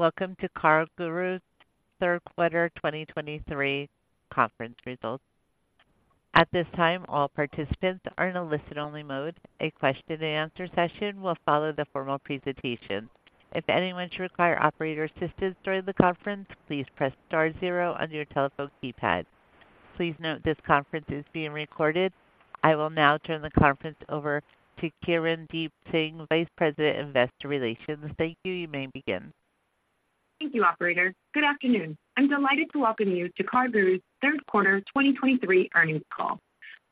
Welcome to CarGurus' Q3 2023 conference results. At this time, all participants are in a listen-only mode. A question-and-answer session will follow the formal presentation. If anyone should require operator assistance during the conference, please press star zero on your telephone keypad. Please note this conference is being recorded. I will now turn the conference over to Kirndeep Singh, Vice President, Investor Relations. Thank you. You may begin. Thank you operator. Good afternoon. I'm delighted to welcome you to CarGurus' Q3 2023 earnings call.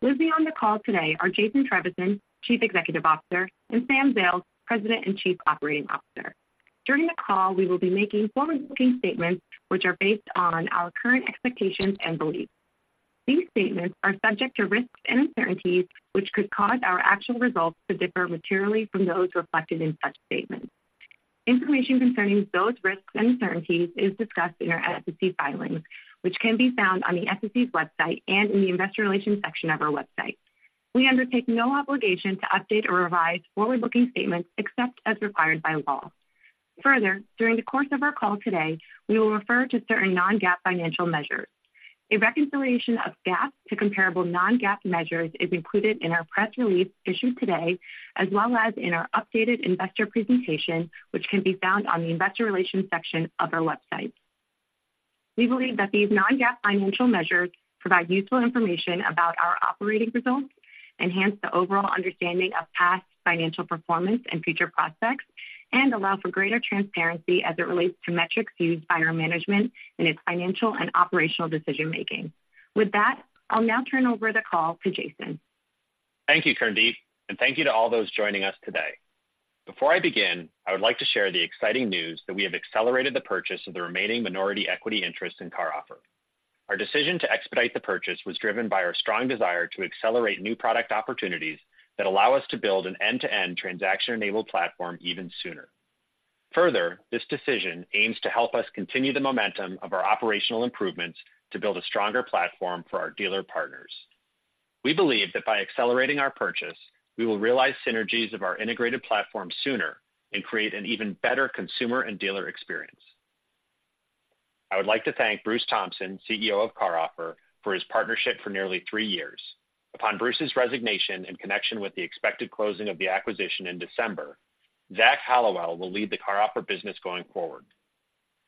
With me on the call today are Jason Trevisan, Chief Executive Officer, and Sam Zales, President and Chief Operating Officer. During the call, we will be making forward-looking statements which are based on our current expectations and beliefs. These statements are subject to risks and uncertainties, which could cause our actual results to differ materially from those reflected in such statements. Information concerning those risks and uncertainties is discussed in our SEC filings, which can be found on the SEC's website and in the investor relations section of our website. We undertake no obligation to update or revise forward-looking statements except as required by law. Further, during the course of our call today, we will refer to certain non-GAAP financial measures. A reconciliation of GAAP to comparable non-GAAP measures is included in our press release issued today, as well as in our updated investor presentation, which can be found on the investor relations section of our website. We believe that these non-GAAP financial measures provide useful information about our operating results, enhance the overall understanding of past financial performance and future prospects, and allow for greater transparency as it relates to metrics used by our management in its financial and operational decision-making. With that, I'll now turn over the call to Jason. Thank you Kirndeep and thank you to all those joining us today. Before I begin, I would like to share the exciting news that we have accelerated the purchase of the remaining minority equity interest in CarOffer. Our decision to expedite the purchase was driven by our strong desire to accelerate new product opportunities that allow us to build an end-to-end transaction-enabled platform even sooner. Further, this decision aims to help us continue the momentum of our operational improvements to build a stronger platform for our dealer partners. We believe that by accelerating our purchase, we will realize synergies of our integrated platform sooner and create an even better consumer and dealer experience. I would like to thank Bruce Thompson, CEO of CarOffer, for his partnership for nearly 3 years. Upon Bruce's resignation, in connection with the expected closing of the acquisition in December, Zach Hallowell will lead the CarOffer business going forward.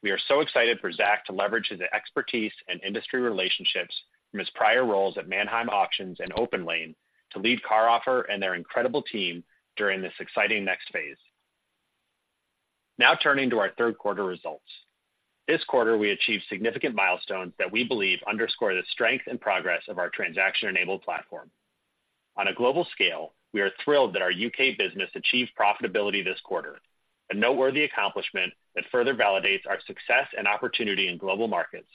We are so excited for Zach to leverage his expertise and industry relationships from his prior roles at Manheim Auctions and OPENLANE to lead CarOffer and their incredible team during this exciting next phase. Now turning to our Q3 results. This quarter, we achieved significant milestones that we believe underscore the strength and progress of our transaction-enabled platform. On a global scale, we are thrilled that our UK business achieved profitability this quarter, a noteworthy accomplishment that further validates our success and opportunity in global markets,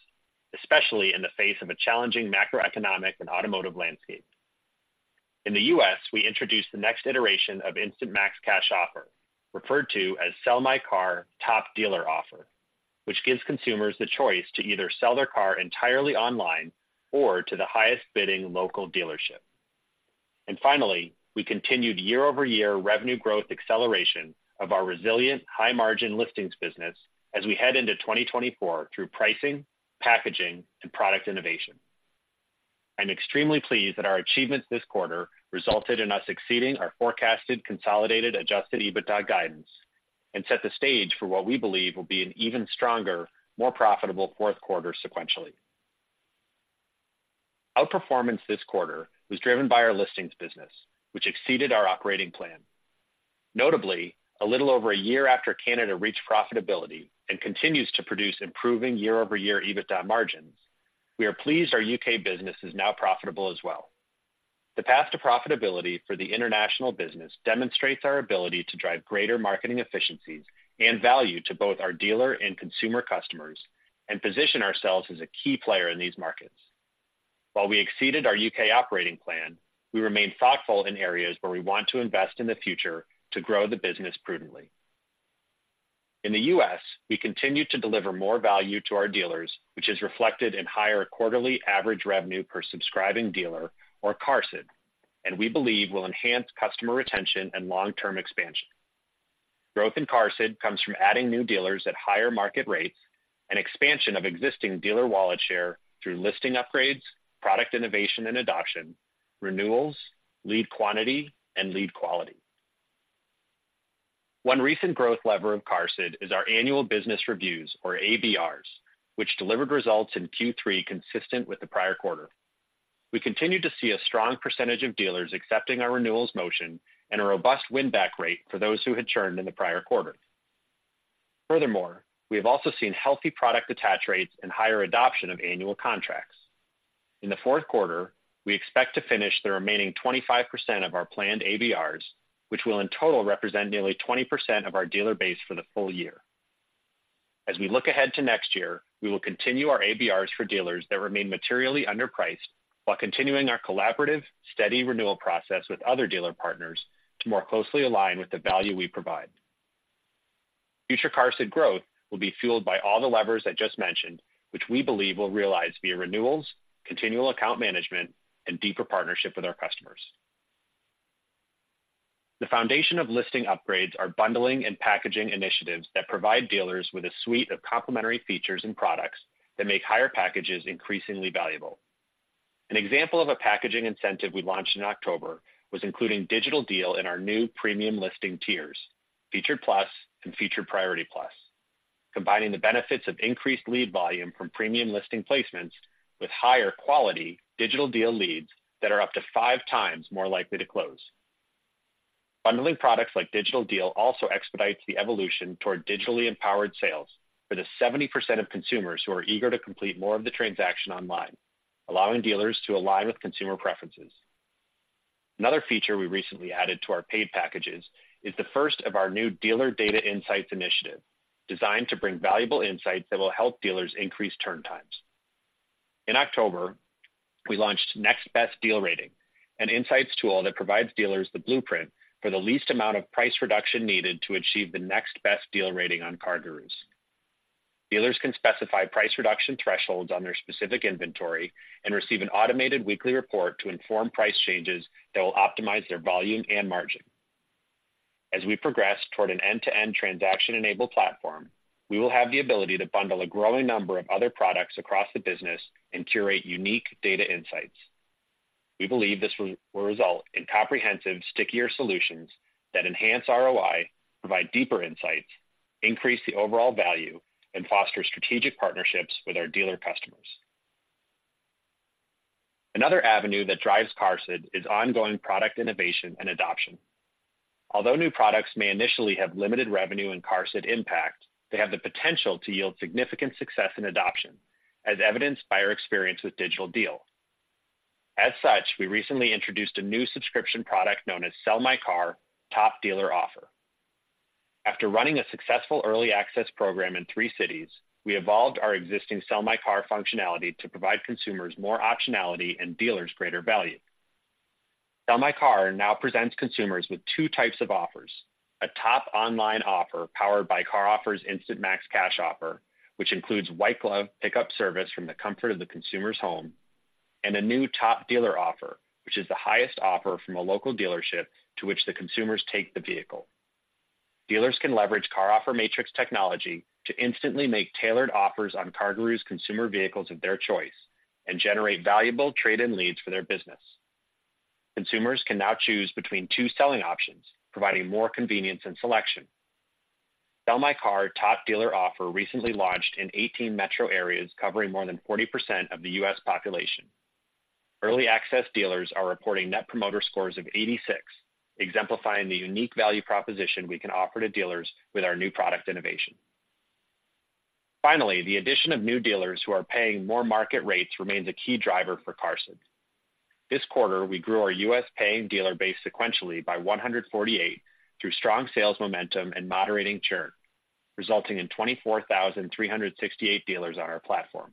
especially in the face of a challenging macroeconomic and automotive landscape. In the US, we introduced the next iteration of Instant Max Cash Offer, referred to as Sell My Car Top Dealer Offer, which gives consumers the choice to either sell their car entirely online or to the highest bidding local dealership. And finally, we continued year-over-year revenue growth acceleration of our resilient, high-margin listings business as we head into 2024 through pricing, packaging, and product innovation. I'm extremely pleased that our achievements this quarter resulted in us exceeding our forecasted consolidated adjusted EBITDA guidance and set the stage for what we believe will be an even stronger, more profitable fourth quarter sequentially. Outperformance this quarter was driven by our listings business, which exceeded our operating plan. Notably, a little over a year after Canada reached profitability and continues to produce improving year-over-year EBITDA margins, we are pleased our UK business is now profitable as well. The path to profitability for the international business demonstrates our ability to drive greater marketing efficiencies and value to both our dealer and consumer customers and position ourselves as a key player in these markets. While we exceeded our UK operating plan, we remain thoughtful in areas where we want to invest in the future to grow the business prudently. In the US, we continue to deliver more value to our dealers, which is reflected in higher quarterly average revenue per subscribing dealer, or QARSD, and we believe will enhance customer retention and long-term expansion. Growth in QARSD comes from adding new dealers at higher market rates and expansion of existing dealer wallet share through listing upgrades, product innovation and adoption, renewals, lead quantity, and lead quality. 1 recent growth lever of QARSD is our annual business reviews, or ABRs, which delivered results in Q3 consistent with the prior quarter. We continue to see a strong percentage of dealers accepting our renewals motion and a robust win-back rate for those who had churned in the prior quarter. Furthermore, we have also seen healthy product attach rates and higher adoption of annual contracts. In the Q4, we expect to finish the remaining 25% of our planned ABRs, which will in total represent nearly 20% of our dealer base for the full year. As we look ahead to next year, we will continue our ABRs for dealers that remain materially underpriced, while continuing our collaborative, steady renewal process with other dealer partners to more closely align with the value we provide. Future CarSid growth will be fueled by all the levers I just mentioned, which we believe will realize via renewals, continual account management, and deeper partnership with our customers. The foundation of listing upgrades are bundling and packaging initiatives that provide dealers with a suite of complementary features and products that make higher packages increasingly valuable. An example of a packaging incentive we launched in October was including Digital Deal in our new premium listing tiers, Featured Plus and Featured Priority Plus, combining the benefits of increased lead volume from premium listing placements with higher quality Digital Deal leads that are up to five times more likely to close. Bundling products like Digital Deal also expedites the evolution toward digitally empowered sales for the 70% of consumers who are eager to complete more of the transaction online, allowing dealers to align with consumer preferences. Another feature we recently added to our paid packages is the first of our new dealer data insights initiative, designed to bring valuable insights that will help dealers increase turn times. In October, we launched Next Best Deal Rating, an insights tool that provides dealers the blueprint for the least amount of price reduction needed to achieve the next best deal rating on CarGurus. Dealers can specify price reduction thresholds on their specific inventory and receive an automated weekly report to inform price changes that will optimize their volume and margin. As we progress toward an end-to-end transaction-enabled platform, we will have the ability to bundle a growing number of other products across the business and curate unique data insights. We believe this will result in comprehensive, stickier solutions that enhance ROI, provide deeper insights, increase the overall value, and foster strategic partnerships with our dealer customers. Another avenue that drives CarSid is ongoing product innovation and adoption. Although new products may initially have limited revenue and CarSid impact, they have the potential to yield significant success in adoption, as evidenced by our experience with Digital Deal. As such, we recently introduced a new subscription product known as Sell My Car Top Dealer Offer. After running a successful early access program in three cities, we evolved our existing Sell My Car functionality to provide consumers more optionality and dealers greater value. Sell My Car now presents consumers with two types of offers: a top online offer powered by CarOffer's Instant Max Cash Offer, which includes white glove pickup service from the comfort of the consumer's home, and a new top dealer offer, which is the highest offer from a local dealership to which the consumers take the vehicle. Dealers can leverage CarOffer Matrix technology to instantly make tailored offers on CarGurus consumer vehicles of their choice and generate valuable trade-in leads for their business. Consumers can now choose between two selling options, providing more convenience and selection. Sell My Car Top Dealer Offer recently launched in 18 metro areas, covering more than 40% of the US population. Early access dealers are reporting net promoter scores of 86, exemplifying the unique value proposition we can offer to dealers with our new product innovation. Finally, the addition of new dealers who are paying more market rates remains a key driver for CarSid. This quarter, we grew our US paying dealer base sequentially by 148 through strong sales momentum and moderating churn, resulting in 24,368 dealers on our platform.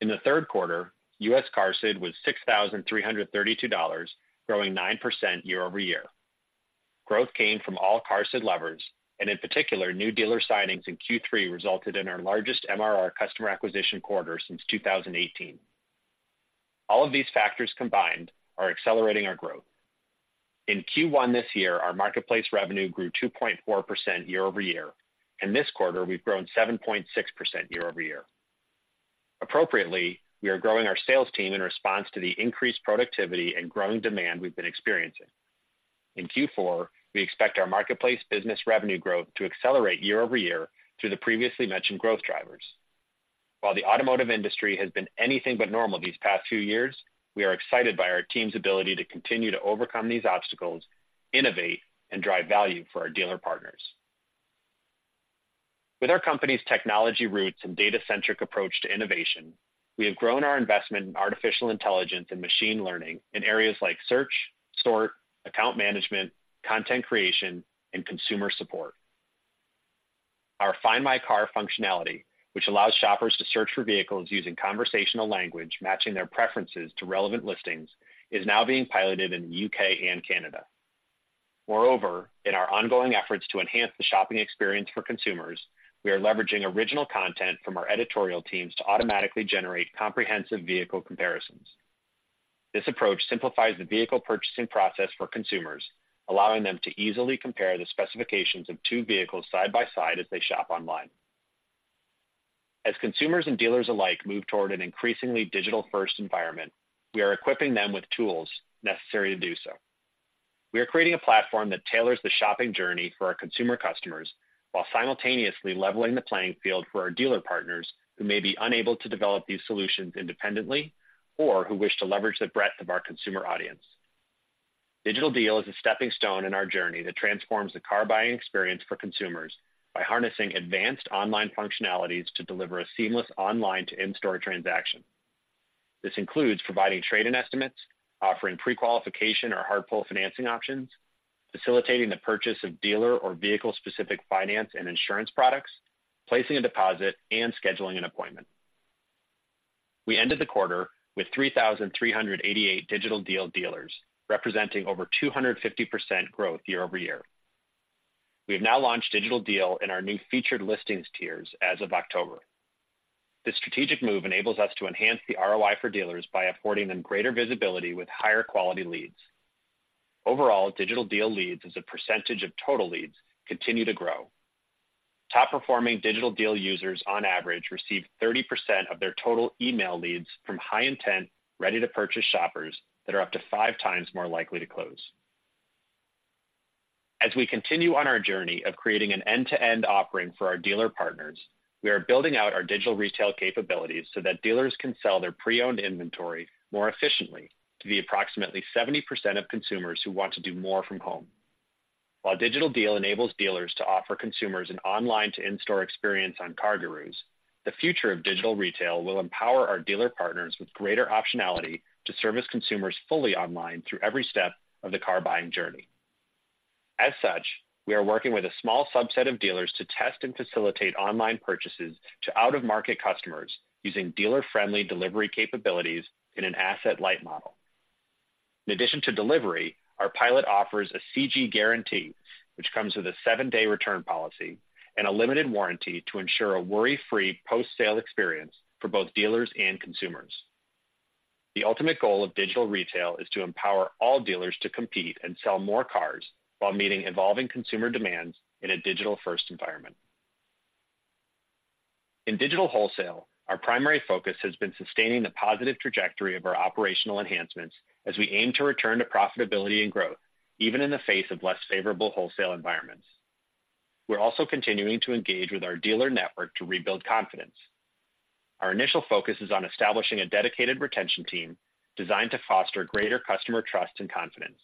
In the Q3, US CarSid was $6,332, growing 9% year-over-year. Growth came from all CarSid levers and in particular, new dealer signings in Q3 resulted in our largest MRR customer acquisition quarter since 2018. All of these factors combined are accelerating our growth. In Q1 this year, our marketplace revenue grew 2.4% year-over-year, and this quarter, we've grown 7.6% year-over-year. Appropriately, we are growing our sales team in response to the increased productivity and growing demand we've been experiencing. In Q4, we expect our marketplace business revenue growth to accelerate year-over-year through the previously mentioned growth drivers. While the automotive industry has been anything but normal these past few years, we are excited by our team's ability to continue to overcome these obstacles, innovate, and drive value for our dealer partners. With our company's technology roots and data-centric approach to innovation, we have grown our investment in artificial intelligence and machine learning in areas like search, sort, account management, content creation, and consumer support. Our Find My Car functionality, which allows shoppers to search for vehicles using conversational language, matching their preferences to relevant listings, is now being piloted in the UK and Canada. Moreover, in our ongoing efforts to enhance the shopping experience for consumers, we are leveraging original content from our editorial teams to automatically generate comprehensive vehicle comparisons. This approach simplifies the vehicle purchasing process for consumers, allowing them to easily compare the specifications of two vehicles side by side as they shop online. As consumers and dealers alike move toward an increasingly digital-first environment, we are equipping them with tools necessary to do so. We are creating a platform that tailors the shopping journey for our consumer customers, while simultaneously leveling the playing field for our dealer partners who may be unable to develop these solutions independently or who wish to leverage the breadth of our consumer audience. Digital Deal is a stepping stone in our journey that transforms the car buying experience for consumers by harnessing advanced online functionalities to deliver a seamless online to in-store transaction. This includes providing trade-in estimates, offering prequalification or hard pull financing options, facilitating the purchase of dealer or vehicle-specific finance and insurance products, placing a deposit, and scheduling an appointment. We ended the quarter with 3,388 Digital Deal dealers, representing over 250% growth year-over-year. We have now launched Digital Deal in our new featured listings tiers as of October. This strategic move enables us to enhance the ROI for dealers by affording them greater visibility with higher quality leads. Overall, Digital Deal leads as a percentage of total leads continue to grow. Top-performing Digital Deal users on average receive 30% of their total email leads from high intent, ready-to-purchase shoppers that are up to 5 times more likely to close. As we continue on our journey of creating an end-to-end offering for our dealer partners, we are building out our digital retail capabilities so that dealers can sell their pre-owned inventory more efficiently to the approximately 70% of consumers who want to do more from home. While Digital Deal enables dealers to offer consumers an online-to-in-store experience on CarGurus, the future of digital retail will empower our dealer partners with greater optionality to service consumers fully online through every step of the car buying journey. As such, we are working with a small subset of dealers to test and facilitate online purchases to out-of-market customers using dealer-friendly delivery capabilities in an asset-light model. In addition to delivery, our pilot offers a CG Guarantee, which comes with a seven-day return policy and a limited warranty to ensure a worry-free post-sale experience for both dealers and consumers. The ultimate goal of digital retail is to empower all dealers to compete and sell more cars while meeting evolving consumer demands in a digital-first environment. In digital wholesale, our primary focus has been sustaining the positive trajectory of our operational enhancements as we aim to return to profitability and growth, even in the face of less favorable wholesale environments. We're also continuing to engage with our dealer network to rebuild confidence. Our initial focus is on establishing a dedicated retention team designed to foster greater customer trust and confidence,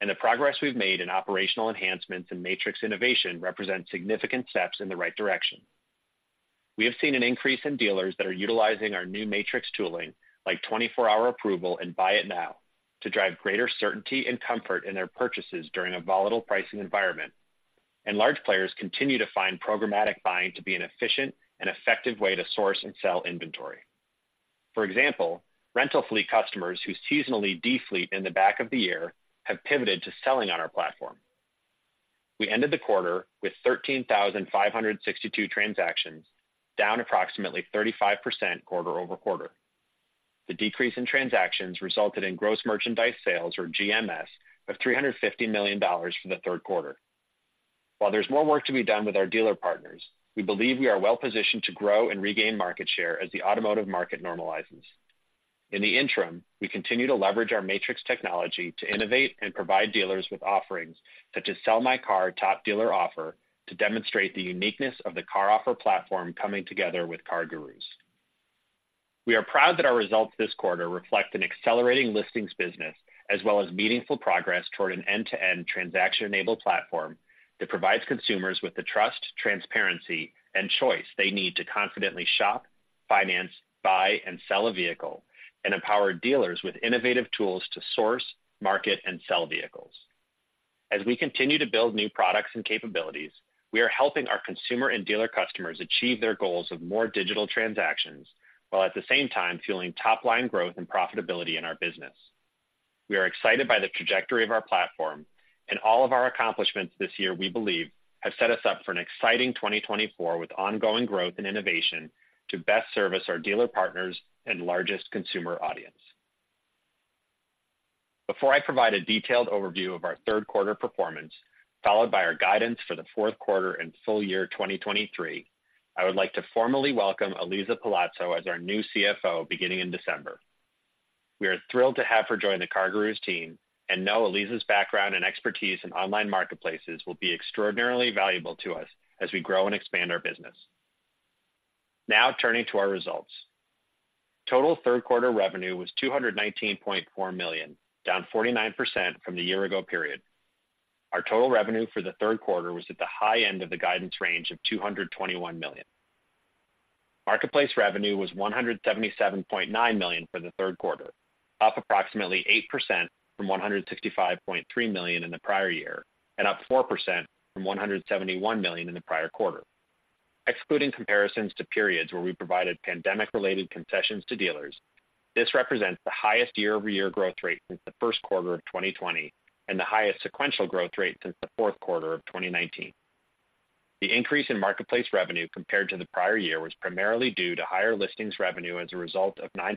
and the progress we've made in operational enhancements and Matrix innovation represent significant steps in the right direction. We have seen an increase in dealers that are utilizing our new Matrix tooling, like 24-hour approval and Buy It Now, to drive greater certainty and comfort in their purchases during a volatile pricing environment, and large players continue to find programmatic buying to be an efficient and effective way to source and sell inventory. For example, rental fleet customers who seasonally defleet in the back of the year have pivoted to selling on our platform. We ended the quarter with 13,562 transactions, down approximately 35% quarter-over-quarter. The decrease in transactions resulted in gross merchandise sales, or GMS, of $350 million for the Q3. While there's more work to be done with our dealer partners, we believe we are well positioned to grow and regain market share as the automotive market normalizes. In the interim, we continue to leverage our Matrix technology to innovate and provide dealers with offerings such as Sell My Car Top Dealer Offer to demonstrate the uniqueness of the CarOffer platform coming together with CarGurus. We are proud that our results this quarter reflect an accelerating listings business, as well as meaningful progress toward an end-to-end transaction-enabled platform that provides consumers with the trust, transparency, and choice they need to confidently shop, finance, buy and sell a vehicle and empower dealers with innovative tools to source, market and sell vehicles. As we continue to build new products and capabilities, we are helping our consumer and dealer customers achieve their goals of more digital transactions, while at the same time fueling top-line growth and profitability in our business. We are excited by the trajectory of our platform, and all of our accomplishments this year, we believe, have set us up for an exciting 2024, with ongoing growth and innovation to best service our dealer partners and largest consumer audience. Before I provide a detailed overview of our Q3 performance, followed by our guidance for the Q4 and full year 2023, I would like to formally welcome Elisa Palazzo as our new CFO beginning in December. We are thrilled to have her join the CarGurus team and know Elisa's background and expertise in online marketplaces will be extraordinarily valuable to us as we grow and expand our business. Now, turning to our results. Total Q3 revenue was $219.4 million, down 49% from the year ago period. Our total revenue for the third quarter was at the high end of the guidance range of $221 million. Marketplace revenue was $177.9 million for the Q3, up approximately 8% from $165.3 million in the prior year, and up 4% from $171 million in the prior quarter. Excluding comparisons to periods where we provided pandemic-related concessions to dealers, this represents the highest year-over-year growth rate since the Q1 of 2020, and the highest sequential growth rate since the Q4 of 2019. The increase in marketplace revenue compared to the prior year was primarily due to higher listings revenue as a result of 9%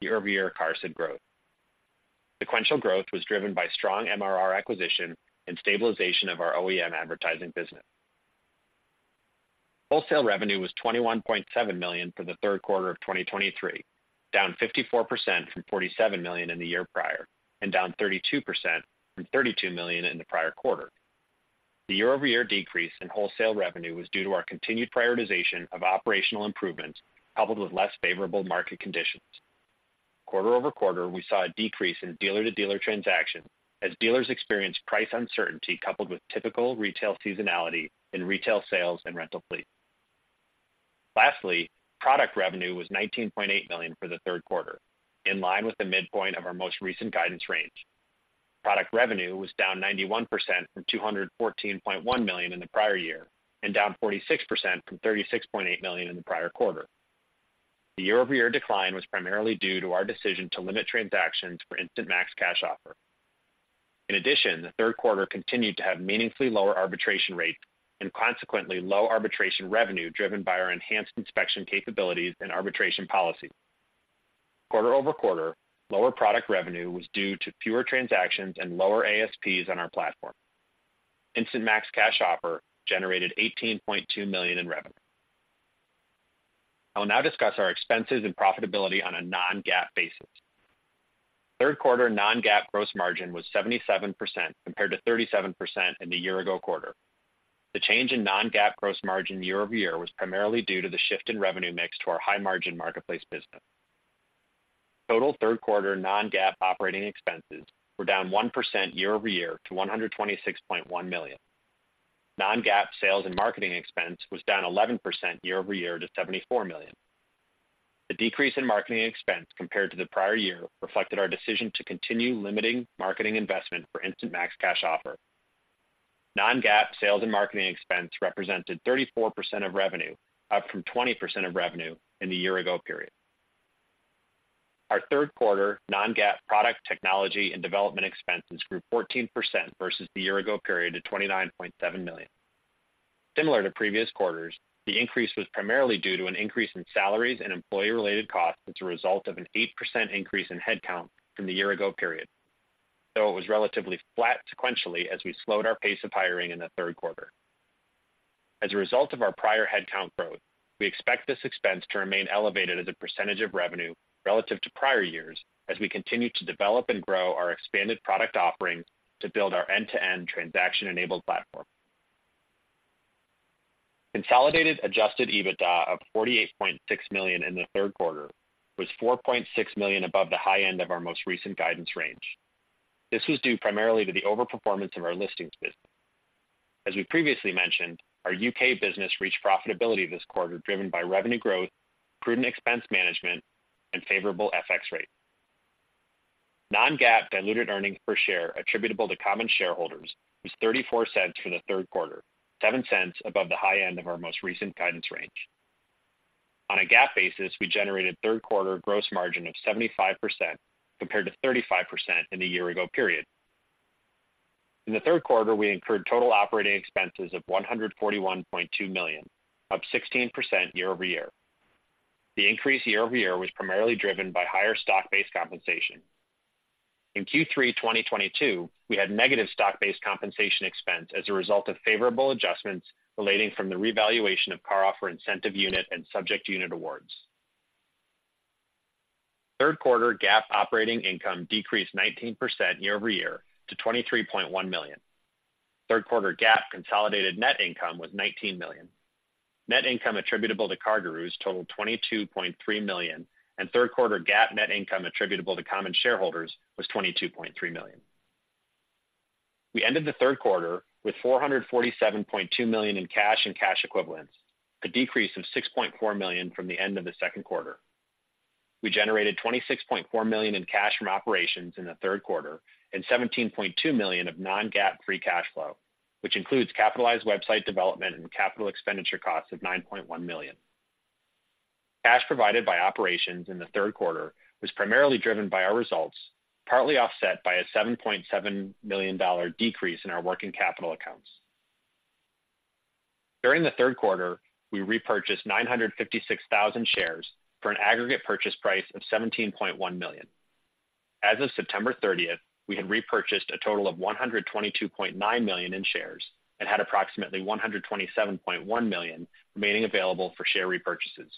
year-over-year CARSD growth. Sequential growth was driven by strong MRR acquisition and stabilization of our OEM advertising business. Wholesale revenue was $21.7 million for the Q3 of 2023, down 54% from $47 million in the year prior, and down 32% from $32 million in the prior quarter. The year-over-year decrease in wholesale revenue was due to our continued prioritization of operational improvements, coupled with less favorable market conditions. Quarter-over-quarter, we saw a decrease in dealer-to-dealer transactions as dealers experienced price uncertainty, coupled with typical retail seasonality in retail sales and rental fleet. Lastly, product revenue was $19.8 million for the Q3, in line with the midpoint of our most recent guidance range. Product revenue was down 91% from $214.1 million in the prior year, and down 46% from $36.8 million in the prior quarter. The year-over-year decline was primarily due to our decision to limit transactions for Instant Max Cash Offer. In addition, the Q3 continued to have meaningfully lower arbitration rates and consequently low arbitration revenue, driven by our enhanced inspection capabilities and arbitration policy. Quarter-over-quarter, lower product revenue was due to fewer transactions and lower ASPs on our platform. Instant Max Cash Offer generated $18.2 million in revenue. I will now discuss our expenses and profitability on a non-GAAP basis. Third quarter non-GAAP gross margin was 77%, compared to 37% in the year-ago quarter. The change in Non-GAAP gross margin year-over-year was primarily due to the shift in revenue mix to our high-margin marketplace business. Total Q3 Non-GAAP operating expenses were down 1% year-over-year to $126.1 million. Non-GAAP sales and marketing expense was down 11% year-over-year to $74 million. The decrease in marketing expense compared to the prior year reflected our decision to continue limiting marketing investment for Instant Max Cash Offer. Non-GAAP sales and marketing expense represented 34% of revenue, up from 20% of revenue in the year-ago period. Our Q3 Non-GAAP product, technology, and development expenses grew 14% versus the year-ago period to $29.7 million. Similar to previous quarters, the increase was primarily due to an increase in salaries and employee-related costs as a result of an 8% increase in headcount from the year-ago period, though it was relatively flat sequentially as we slowed our pace of hiring in the Q3. As a result of our prior headcount growth, we expect this expense to remain elevated as a percentage of revenue relative to prior years as we continue to develop and grow our expanded product offerings to build our end-to-end transaction-enabled platform. Consolidated adjusted EBITDA of $48.6 million in the Q3 was $4.6 million above the high end of our most recent guidance range. This was due primarily to the overperformance of our listings business. As we previously mentioned, our UK business reached profitability this quarter, driven by revenue growth, prudent expense management, and favorable FX rates. Non-GAAP diluted earnings per share attributable to common shareholders was $0.34 for the Q3, $0.07 above the high end of our most recent guidance range. On a GAAP basis, we generated Q3 gross margin of 75%, compared to 35% in the year-ago period. In the Q3, we incurred total operating expenses of $141.2 million, up 16% year-over-year. The increase year-over-year was primarily driven by higher stock-based compensation. In Q3 2022, we had negative stock-based compensation expense as a result of favorable adjustments resulting from the revaluation of CarOffer incentive unit and subject unit awards. Third quarter GAAP operating income decreased 19% year-over-year to $23.1 million. Q3 GAAP consolidated net income was $19 million. Net income attributable to CarGurus totaled $22.3 million, and Q3 GAAP net income attributable to common shareholders was $22.3 million. We ended the Q3 with $447.2 million in cash and cash equivalents, a decrease of $6.4 million from the end of the Q2. We generated $26.4 million in cash from operations in the Q3 and $17.2 million of non-GAAP free cash flow, which includes capitalized website development and capital expenditure costs of $9.1 million. Cash provided by operations in the Q3 was primarily driven by our results, partly offset by a $7.7 million decrease in our working capital accounts. During the Q3, we repurchased 956,000 shares for an aggregate purchase price of $17.1 million. As of September 30, we had repurchased a total of $122.9 million in shares and had approximately $127.1 million remaining available for share repurchases.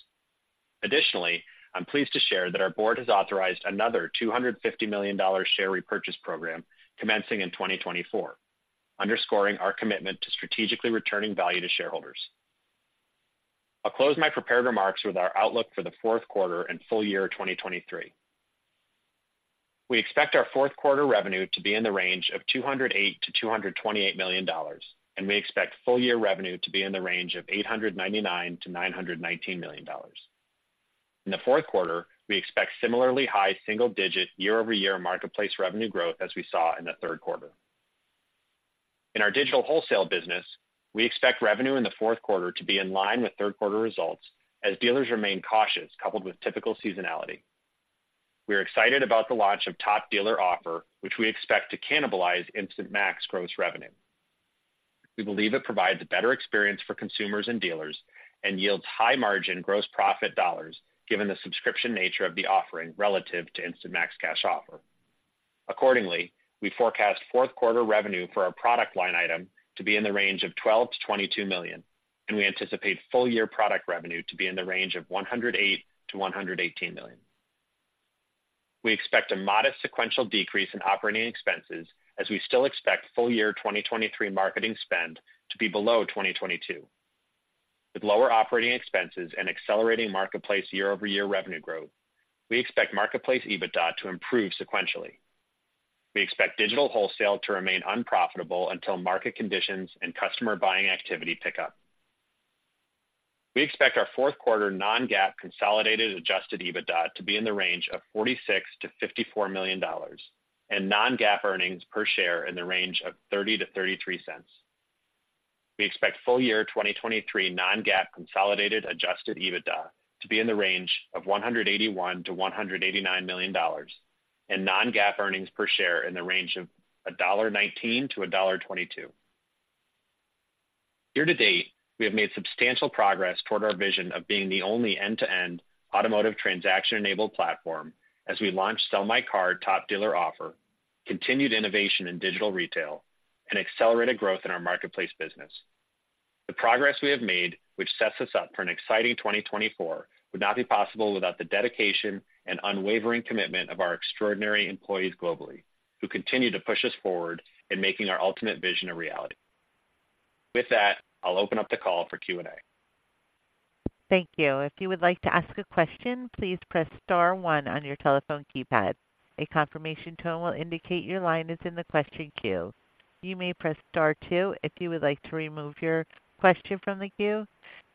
Additionally, I'm pleased to share that our board has authorized another $250 million share repurchase program commencing in 2024, underscoring our commitment to strategically returning value to shareholders. I'll close my prepared remarks with our outlook for the Q4 and full year 2023. We expect our fourth quarter revenue to be in the range of $208 to 228 million, and we expect full year revenue to be in the range of $899 to 919 million. In the Q4, we expect similarly high single-digit year-over-year marketplace revenue growth as we saw in the Q3. In our digital wholesale business, we expect revenue in the Q4 to be in line with Q3 results as dealers remain cautious, coupled with typical seasonality. We are excited about the launch of Top Dealer Offer, which we expect to cannibalize Instant Max gross revenue. We believe it provides a better experience for consumers and dealers and yields high-margin gross profit dollars, given the subscription nature of the offering relative to Instant Max Cash Offer. Accordingly, we forecast fourth quarter revenue for our product line item to be in the range of $12 to 22 million, and we anticipate full-year product revenue to be in the range of $108 to 118 million. We expect a modest sequential decrease in operating expenses as we still expect full year 2023 marketing spend to be below 2022. With lower operating expenses and accelerating marketplace year-over-year revenue growth, we expect marketplace EBITDA to improve sequentially. We expect digital wholesale to remain unprofitable until market conditions and customer buying activity pick up. We expect our fourth quarter non-GAAP consolidated adjusted EBITDA to be in the range of $46 to 54 million, and non-GAAP earnings per share in the range of 30 to 33 cents.... We expect full year 2023 non-GAAP consolidated adjusted EBITDA to be in the range of $181 to 189 million, and non-GAAP earnings per share in the range of $1.19 to 1.22. Year to date, we have made substantial progress toward our vision of being the only end-to-end automotive transaction-enabled platform as we launched Sell My Car Top Dealer Offer, continued innovation in digital retail, and accelerated growth in our marketplace business. The progress we have made, which sets us up for an exciting 2024, would not be possible without the dedication and unwavering commitment of our extraordinary employees globally, who continue to push us forward in making our ultimate vision a reality. With that, I'll open up the call for Q&A. Thank you. If you would like to ask a question, please press star one on your telephone keypad. A confirmation tone will indicate your line is in the question queue. You may press star 2 if you would like to remove your question from the queue,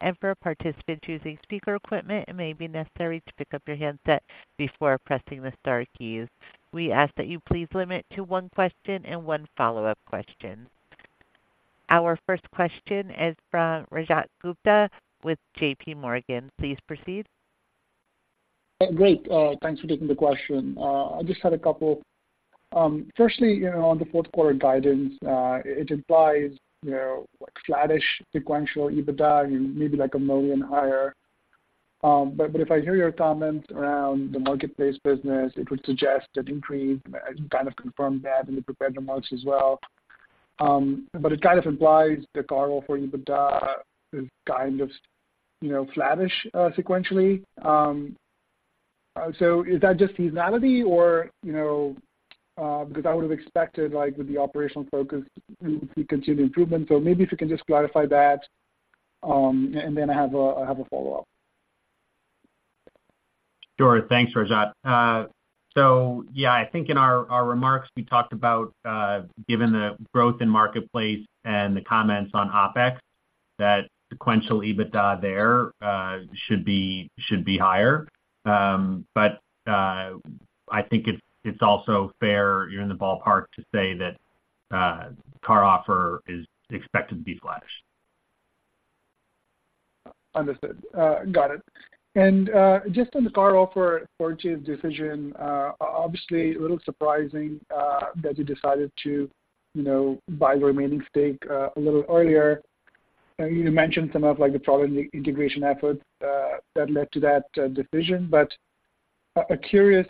and for a participant choosing speaker equipment, it may be necessary to pick up your handset before pressing the star keys. We ask that you please limit to one question and one follow-up question. Our first question is from Rajat Gupta with J.P. Morgan. Please proceed. Great. Thanks for taking the question. I just had a couple. Firstly, you know, on the fourth quarter guidance, it implies, you know, like, flattish sequential EBITDA, maybe like $1 million higher. But, but if I hear your comments around the marketplace business, it would suggest an increase. I kind of confirmed that in the prepared remarks as well. But it kind of implies the CarOffer for you, but, is kind of, you know, flattish, sequentially. So is that just seasonality or, you know, because I would have expected, like, with the operational focus, we continue improvement. So maybe if you can just clarify that, and then I have a follow-up. Sure. Thanks Rajat. So yeah, I think in our remarks, we talked about, given the growth in marketplace and the comments on OpEx, that sequential EBITDA there should be higher. But I think it's also fair, you're in the ballpark to say that CarOffer is expected to be flattish. Understood. Got it. And just on the CarOffer purchase decision, obviously, a little surprising that you decided to, you know, buy the remaining stake a little earlier. You mentioned some of, like the product integration efforts that led to that decision. But curious,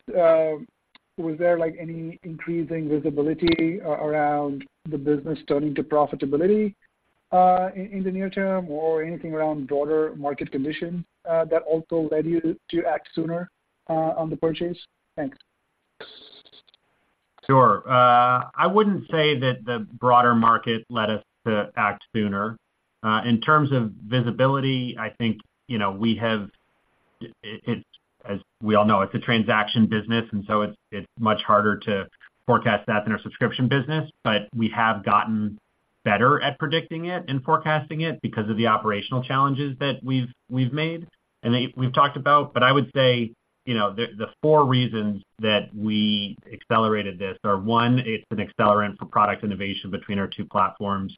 was there, like, any increasing visibility around the business turning to profitability in the near term, or anything around broader market conditions that also led you to act sooner on the purchase? Thanks. Sure. I wouldn't say that the broader market led us to act sooner. In terms of visibility, I think, you know, we have it, as we all know, it's a transaction business, and so it's much harder to forecast that than our subscription business. But we have gotten better at predicting it and forecasting it because of the operational challenges that we've made and that we've talked about. But I would say, you know, the 4 reasons that we accelerated this are, 1, it's an accelerant for product innovation between our two platforms.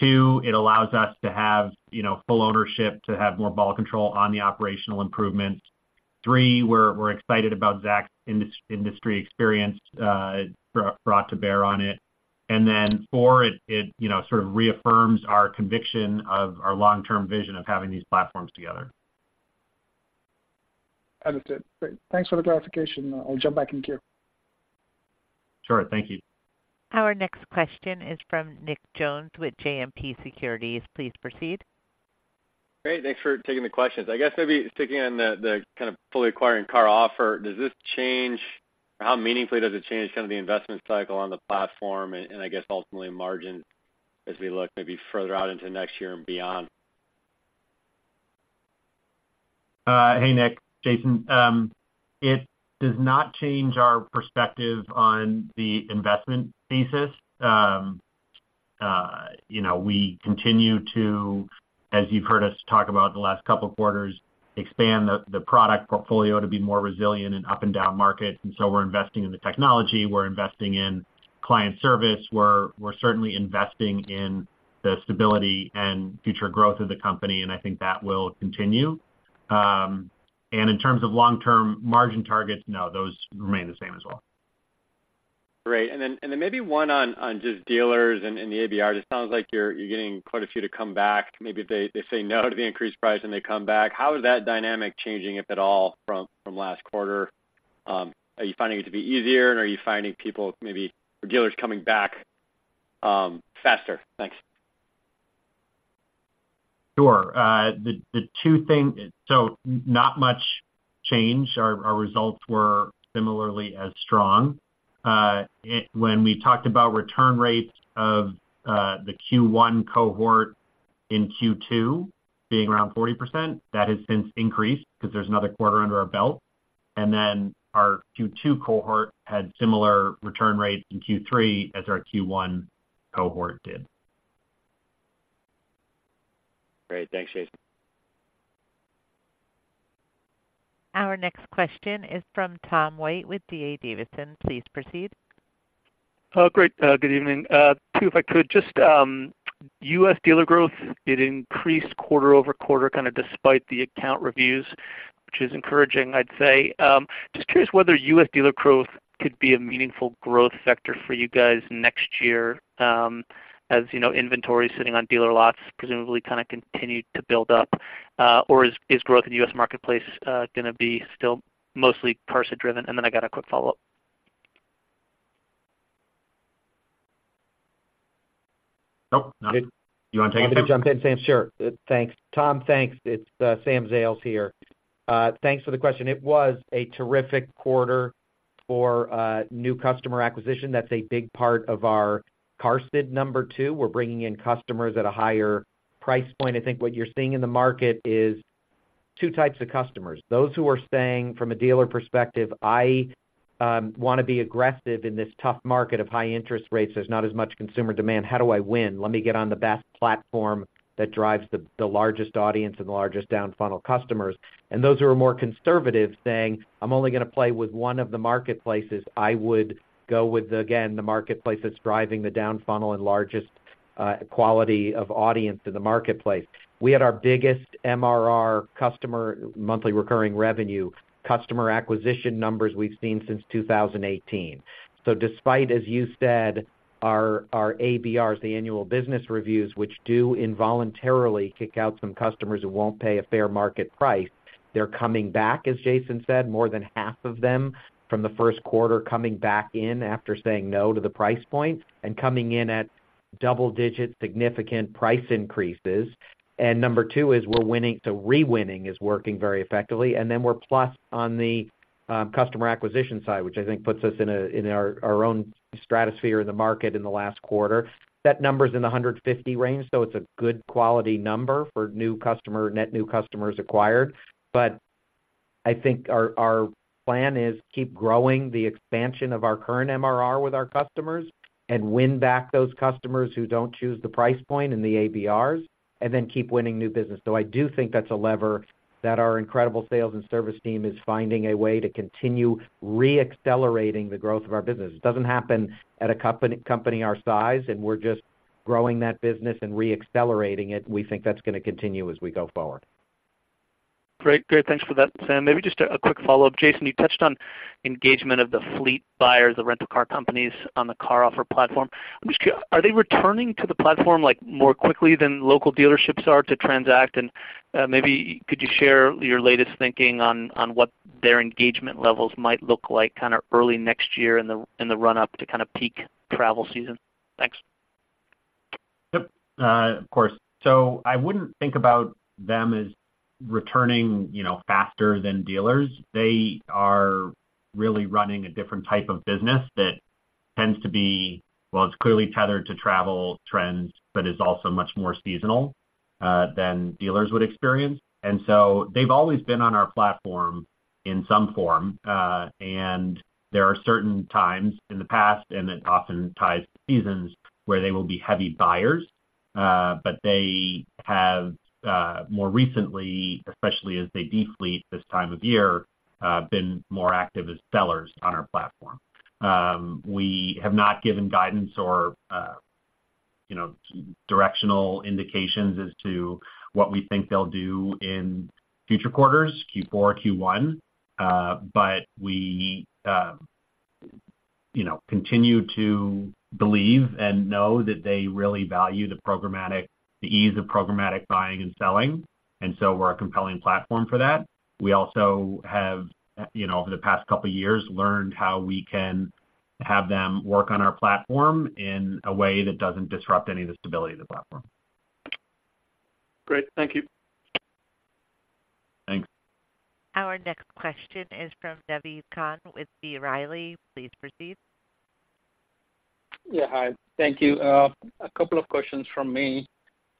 2, it allows us to have, you know, full ownership, to have more ball control on the operational improvements. 3, we're excited about Zach's industry experience, brought to bear on it. And then 4, it you know, sort of reaffirms our conviction of our long-term vision of having these platforms together. Understood. Great. Thanks for the clarification. I'll jump back in queue. Sure. Thank you. Our next question is from Nick Jones with JMP Securities. Please proceed. Great. Thanks for taking the questions. I guess maybe sticking on the kind of fully acquiring CarOffer, does this change, or how meaningfully does it change some of the investment cycle on the platform, and I guess ultimately margin as we look maybe further out into next year and beyond? Hey Nick, Jason. It does not change our perspective on the investment thesis. You know, we continue to, as you've heard us talk about the last couple of quarters, expand the product portfolio to be more resilient in up and down markets, and so we're investing in the technology, we're investing in client service, we're certainly investing in the stability and future growth of the company, and I think that will continue. In terms of long-term margin targets, no, those remain the same as well. Great. And then maybe 1 on just dealers and the ABR. It sounds like you're getting quite a few to come back. Maybe they say no to the increased price, and they come back. How is that dynamic changing, if at all, from last quarter? Are you finding it to be easier, and are you finding people, maybe dealers coming back, faster? Thanks. Sure. The 2 things. So not much change. Our results were similarly as strong. When we talked about return rates of the Q1 cohort in Q2 being around 40%, that has since increased because there's another quarter under our belt. And then our Q2 cohort had similar return rates in Q3 as our Q1 cohort did. Great. Thanks, Jason. ...Our next question is from Tom White with D.A. Davidson.Please proceed. Oh great, good evening. Too, if I could, just, US dealer growth, it increased quarter-over-quarter, kind of despite the account reviews, which is encouraging, I'd say. Just curious whether US dealer growth could be a meaningful growth vector for you guys next year, as, you know, inventory sitting on dealer lots presumably kind of continued to build up. Or is, is growth in the US marketplace, gonna be still mostly Carson driven? And then I got a quick follow-up. Nope, not it. You want to take it, Sam? Happy to jump in, Sam. Sure. Thanks Tom. Thanks. It's Sam Zales here. Thanks for the question. It was a terrific quarter for new customer acquisition. That's a big part of our CarSid number, too. We're bringing in customers at a higher price point. I think what you're seeing in the market is two types of customers, those who are saying, from a dealer perspective, "I want to be aggressive in this tough market of high interest rates. There's not as much consumer demand. How do I win? Let me get on the best platform that drives the largest audience and the largest down-funnel customers." And those who are more conservative, saying, "I'm only gonna play with one of the marketplaces." I would go with, again, the marketplace that's driving the down funnel and largest quality of audience in the marketplace. We had our biggest MRR customer, monthly recurring revenue, customer acquisition numbers we've seen since 2018. So despite, as you said, our, our ABRs, the annual business reviews, which do involuntarily kick out some customers who won't pay a fair market price, they're coming back, as Jason said, more than half of them from the first quarter, coming back in after saying no to the price point and coming in at double digit significant price increases. And number two is we're winning, so re-winning is working very effectively. And then we're plus on the customer acquisition side, which I think puts us in a, in our, our own stratosphere in the market in the last quarter. That number's in the 150 range, so it's a good quality number for new customer, net new customers acquired. But I think our plan is keep growing the expansion of our current MRR with our customers and win back those customers who don't choose the price point in the ABRs, and then keep winning new business. So I do think that's a lever that our incredible sales and service team is finding a way to continue re-accelerating the growth of our business. It doesn't happen at a company our size, and we're just growing that business and re-accelerating it. We think that's gonna continue as we go forward. Great. Great, thanks for that Sam. Maybe just a quick follow-up. Jason, you touched on engagement of the fleet buyers, the rental car companies on the CarOffer platform. I'm just curious, are they returning to the platform, like, more quickly than local dealerships are to transact? And, maybe could you share your latest thinking on what their engagement levels might look like kind of early next year in the run-up to kind of peak travel season? Thanks. Yep, of course. So I wouldn't think about them as returning, you know, faster than dealers. They are really running a different type of business that tends to be... Well, it's clearly tethered to travel trends, but is also much more seasonal than dealers would experience. And so they've always been on our platform in some form, and there are certain times in the past, and then often tied to seasons, where they will be heavy buyers. But they have, more recently, especially as they defleet this time of year, been more active as sellers on our platform. We have not given guidance or, you know, directional indications as to what we think they'll do in future quarters, Q4, Q1. But we, you know, continue to believe and know that they really value the programmatic, the ease of programmatic buying and selling, and so we're a compelling platform for that. We also have, you know, over the past couple of years, learned how we can have them work on our platform in a way that doesn't disrupt any of the stability of the platform. Great. Thank you. Thanks. Our next question is from Naved Khan with B. Riley. Please proceed. Yeah, hi. Thank you. A couple of questions from me.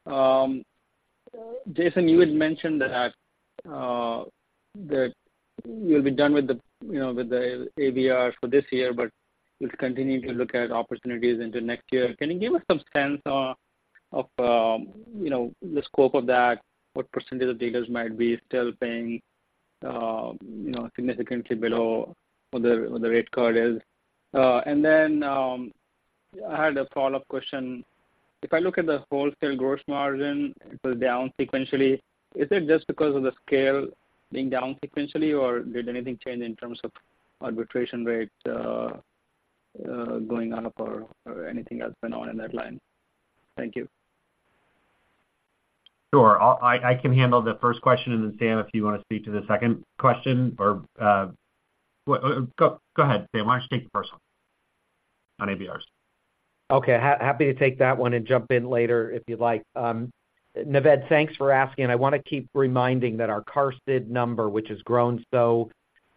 Jason, you had mentioned that you'll be done with the, you know, with the ABR for this year, but you'll continue to look at opportunities into next year. Can you give us some sense of you know, the scope of that? What percentage of dealers might be still paying you know, significantly below what the rate card is? And then I had a follow-up question. If I look at the wholesale gross margin, it was down sequentially. Is it just because of the scale being down sequentially, or did anything change in terms of arbitration rate going up or anything that's been on in that line? Thank you. Sure. I can handle the first question, and then Sam, if you wanna speak to the second question, or, well, go ahead, Sam, why don't you take the first one on ABRs? Okay, happy to take that one and jump in later if you'd like. Naved, thanks for asking. I wanna keep reminding that our CarSid number, which has grown so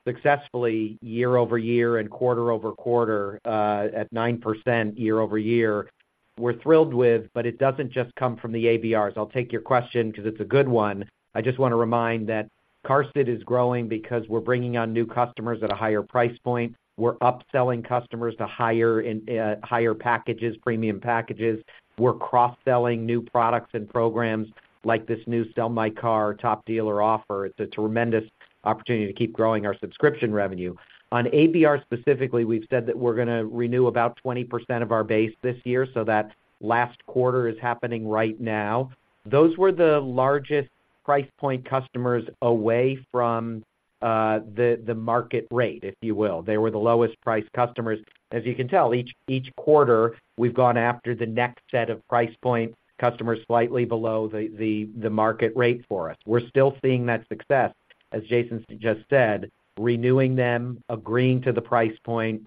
successfully year-over-year and quarter-over-quarter, at 9% year-over-year—we're thrilled with, but it doesn't just come from the ABRs. I'll take your question because it's a good one. I just want to remind that CarSid is growing because we're bringing on new customers at a higher price point. We're upselling customers to higher in, higher packages, premium packages. We're cross-selling new products and programs like this new Sell My Car Top Dealer Offer. It's a tremendous opportunity to keep growing our subscription revenue. On ABR specifically, we've said that we're gonna renew about 20% of our base this year, so that last quarter is happening right now. Those were the largest price point customers away from the market rate, if you will. They were the lowest priced customers. As you can tell, each quarter, we've gone after the next set of price point customers slightly below the market rate for us. We're still seeing that success, as Jason just said, renewing them, agreeing to the price point,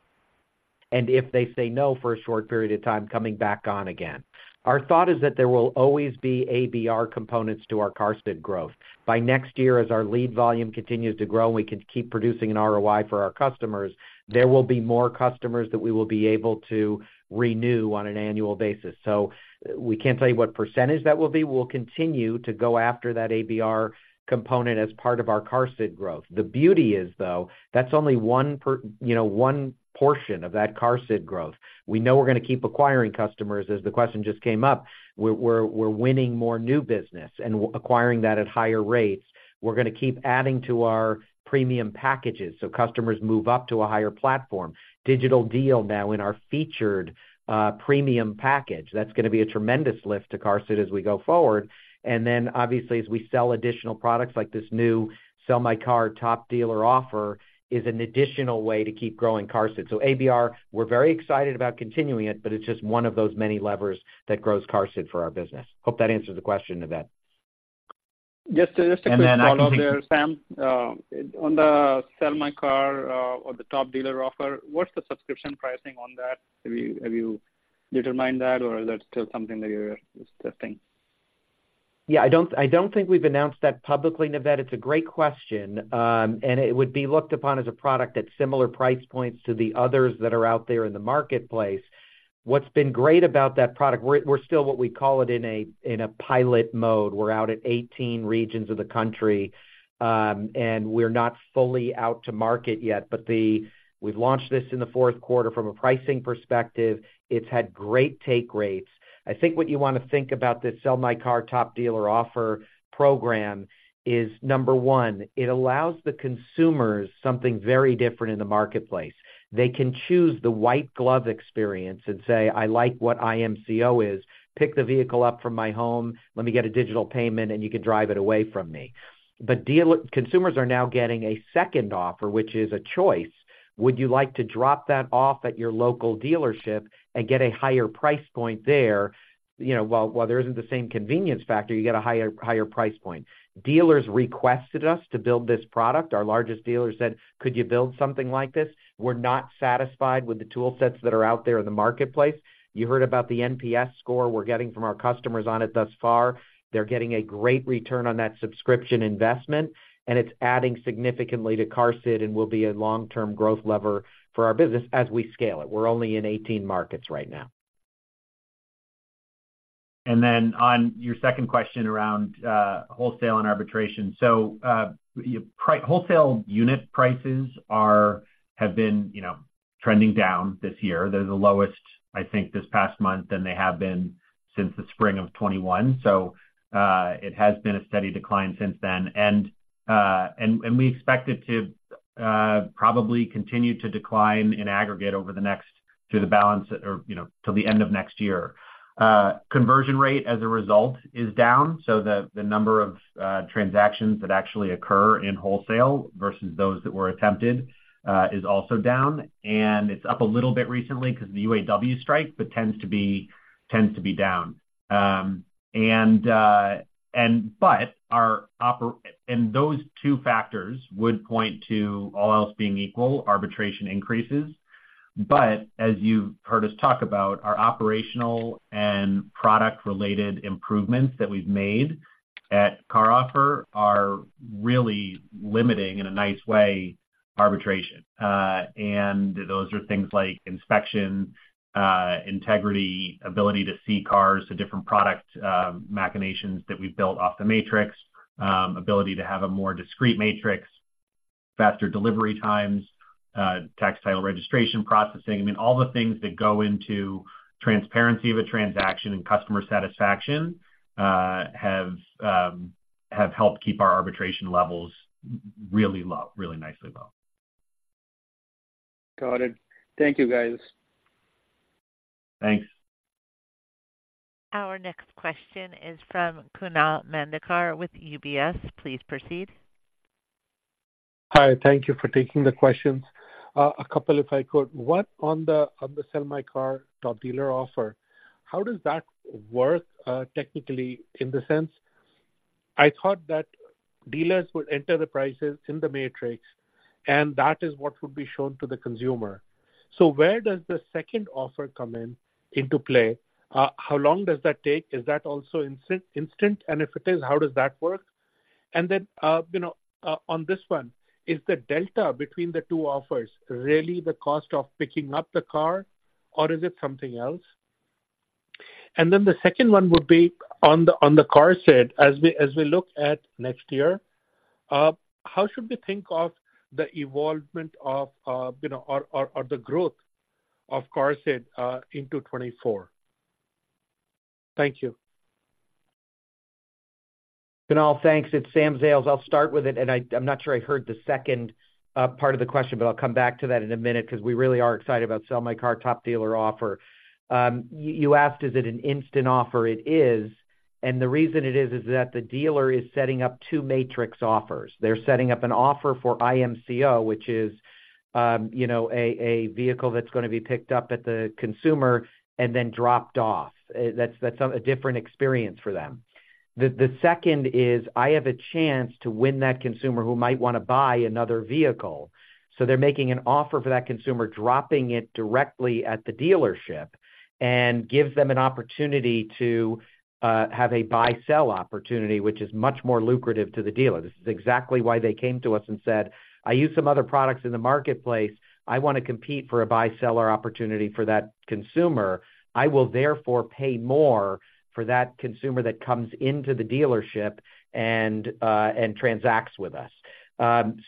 and if they say no for a short period of time, coming back on again. Our thought is that there will always be ABR components to our CarSid growth. By next year, as our lead volume continues to grow and we can keep producing an ROI for our customers, there will be more customers that we will be able to renew on an annual basis. So we can't tell you what percentage that will be. We'll continue to go after that ABR component as part of our CarSid growth. The beauty is, though, that's only one, you know, one portion of that CarSid growth. We know we're gonna keep acquiring customers, as the question just came up. We're winning more new business and acquiring that at higher rates. We're gonna keep adding to our premium packages, so customers move up to a higher platform. Digital Deal now in our featured premium package, that's gonna be a tremendous lift to CarSid as we go forward. And then, obviously, as we sell additional products like this new Sell My Car Top Dealer Offer, is an additional way to keep growing CarSid. So ABR, we're very excited about continuing it, but it's just one of those many levers that grows CarSid for our business. Hope that answers the question, Naved. Yes, just a quick follow-up there, Sam. On the Sell My Car, or the Top Dealer Offer, what's the subscription pricing on that? Have you, have you determined that or is that still something that you're testing? Yeah, I don't, I don't think we've announced that publicly, Naved. It's a great question, and it would be looked upon as a product at similar price points to the others that are out there in the marketplace. What's been great about that product, we're, we're still what we call it in a, in a pilot mode. We're out at 18 regions of the country, and we're not fully out to market yet, but we've launched this in the Q4. From a pricing perspective, it's had great take rates. I think what you want to think about this Sell My Car Top Dealer Offer program is, number one, it allows the consumers something very different in the marketplace. They can choose the white glove experience and say, "I like what IMCO is. Pick the vehicle up from my home, let me get a digital payment, and you can drive it away from me." But consumers are now getting a second offer, which is a choice. Would you like to drop that off at your local dealership and get a higher price point there? You know, while there isn't the same convenience factor, you get a higher, higher price point. Dealers requested us to build this product. Our largest dealer said: "Could you build something like this? We're not satisfied with the toolsets that are out there in the marketplace." You heard about the NPS score we're getting from our customers on it thus far. They're getting a great return on that subscription investment, and it's adding significantly to CarSid and will be a long-term growth lever for our business as we scale it. We're only in 18 markets right now. And then on your second question around wholesale and arbitration. So, wholesale unit prices have been, you know, trending down this year. They're the lowest, I think, this past month than they have been since the spring of 2021. So, it has been a steady decline since then. And we expect it to probably continue to decline in aggregate over the next to the balance, or, you know, to the end of next year. Conversion rate as a result is down, so the number of transactions that actually occur in wholesale versus those that were attempted is also down, and it's up a little bit recently because of the UAW strike, but tends to be down. Those two factors would point to, all else being equal, arbitration increases. But as you've heard us talk about our operational and product-related improvements that we've made at CarOffer are really limiting, in a nice way, arbitration. And those are things like inspection integrity, ability to see cars to different product machinations that we've built off the Matrix, ability to have a more discreet Matrix, faster delivery times, tax title registration processing. I mean, all the things that go into transparency of a transaction and customer satisfaction have have helped keep our arbitration levels really low, really nicely low. Got it. Thank you, guys. Thanks. Our next question is from Kunal Madhukar with UBS. Please proceed. Hi, thank you for taking the questions. A couple, if I could. 1, on the Sell My Car Top Dealer Offer, how does that work, technically, in the sense? I thought that dealers would enter the prices in the Matrix, and that is what would be shown to the consumer. So where does the second offer come into play? How long does that take? Is that also instant, and if it is, how does that work? And then, you know, on this one, is the delta between the 2 offers really the cost of picking up the car, or is it something else? And then the second one would be on the CarSid. As we look at next year, how should we think of the evolvement of, you know, or the growth of CarSid into 2024? Thank you. Kunal thanks. It's Sam Zales. I'll start with it and I, I'm not sure I heard the second part of the question, but I'll come back to that in a minute because we really are excited about Sell My Car Top Dealer Offer. You, you asked, is it an instant offer? It is, and the reason it is, is that the dealer is setting up two Matrix offers. They're setting up an offer for IMCO, which is, you know, a vehicle that's going to be picked up at the consumer and then dropped off. That's, that's a different experience for them. The second is I have a chance to win that consumer who might want to buy another vehicle. So they're making an offer for that consumer, dropping it directly at the dealership and gives them an opportunity to have a buy-sell opportunity, which is much more lucrative to the dealer. This is exactly why they came to us and said, "I use some other products in the marketplace. I want to compete for a buy-sell opportunity for that consumer. I will therefore pay more for that consumer that comes into the dealership and transacts with us."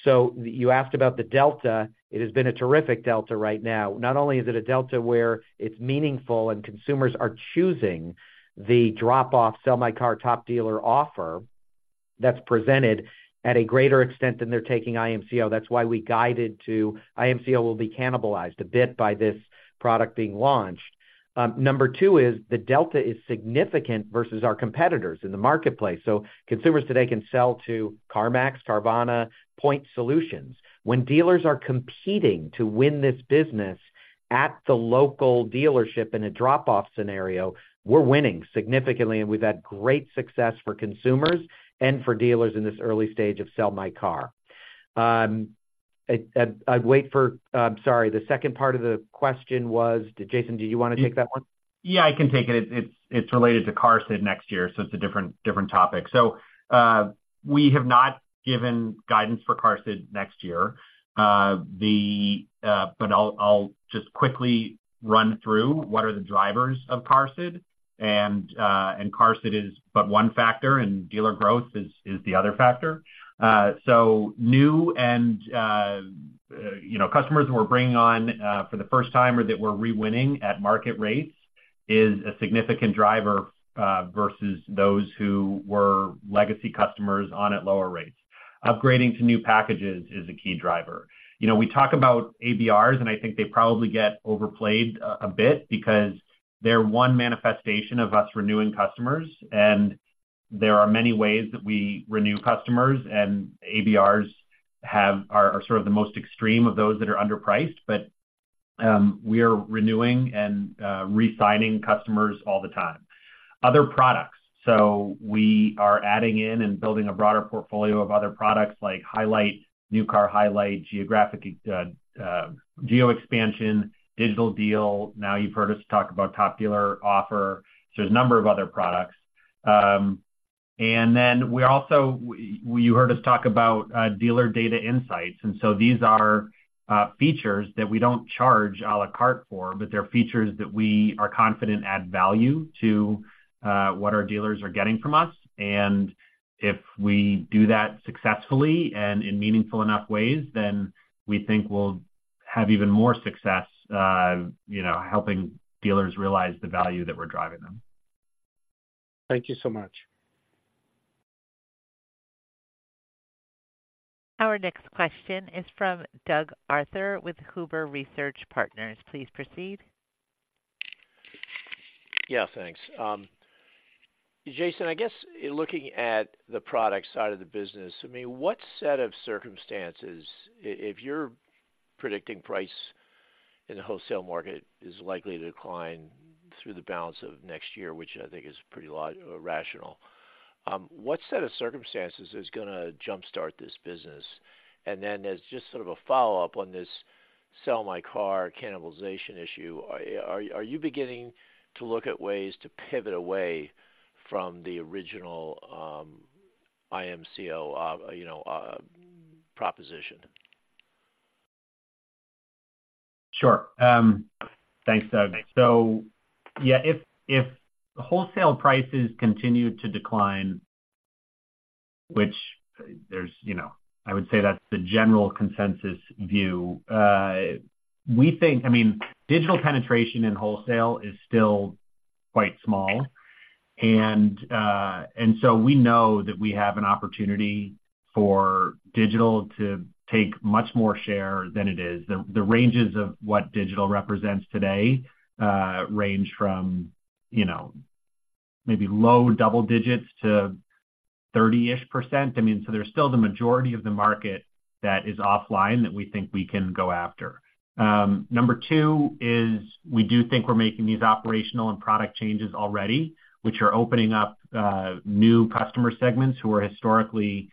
So you asked about the Delta. It has been a terrific Delta right now. Not only is it a Delta where it's meaningful and consumers are choosing the drop-off, Sell My Car Top Dealer Offer, that's presented at a greater extent than they're taking IMCO. That's why we guided to IMCO will be cannibalized a bit by this product being launched. Number 2 is the Delta is significant versus our competitors in the marketplace. So consumers today can sell to CarMax, Carvana, point solutions. When dealers are competing to win this business at the local dealership in a drop-off scenario, we're winning significantly, and we've had great success for consumers and for dealers in this early stage of Sell My Car. I'd wait for... I'm sorry, the second part of the question was, Jason, do you want to take that one? Yeah, I can take it. It's related to CarSid next year, so it's a different topic. So, we have not given guidance for CarSid next year. But I'll just quickly run through what are the drivers of CarSid, and CarSid is but one factor, and dealer growth is the other factor. So, new and, you know, customers who we're bringing on for the first time or that we're re-winning at market rates is a significant driver versus those who were legacy customers on at lower rates. Upgrading to new packages is a key driver. You know, we talk about ABRs, and I think they probably get overplayed a bit because they're one manifestation of us renewing customers, and there are many ways that we renew customers, and ABRs are sort of the most extreme of those that are underpriced, but we are renewing and resigning customers all the time. Other products, so we are adding in and building a broader portfolio of other products like Highline, New Car Highline, Geographic, Geo Expansion, Digital Deal. Now, you've heard us talk about Top Dealer Offer. So there's a number of other products. And then we also you heard us talk about dealer data insights. And so these are features that we don't charge à la carte for, but they're features that we are confident add value to what our dealers are getting from us. If we do that successfully and in meaningful enough ways, then we think we'll have even more success, you know, helping dealers realize the value that we're driving them. Thank you so much. Our next question is from Doug Arthur with Huber Research Partners. Please proceed. Yeah, thanks. Jason, I guess in looking at the product side of the business, I mean, what set of circumstances, if you're predicting price in the wholesale market, is likely to decline through the balance of next year, which I think is pretty logical. What set of circumstances is gonna jumpstart this business? And then as just sort of a follow-up on this Sell My Car cannibalization issue, are you beginning to look at ways to pivot away from the original, IMCO, you know, proposition? Sure. Thanks, Doug. So yeah, if, if wholesale prices continue to decline, which there's, you know, I would say that's the general consensus view. We think, I mean, digital penetration in wholesale is still quite small, and, and so we know that we have an opportunity for digital to take much more share than it is. The, the ranges of what digital represents today, uh, range from, you know, maybe low double digits to thirty-ish%. I mean, so there's still the majority of the market that is offline that we think we can go after. Number 2 is we do think we're making these operational and product changes already, which are opening up, new customer segments who are historically,......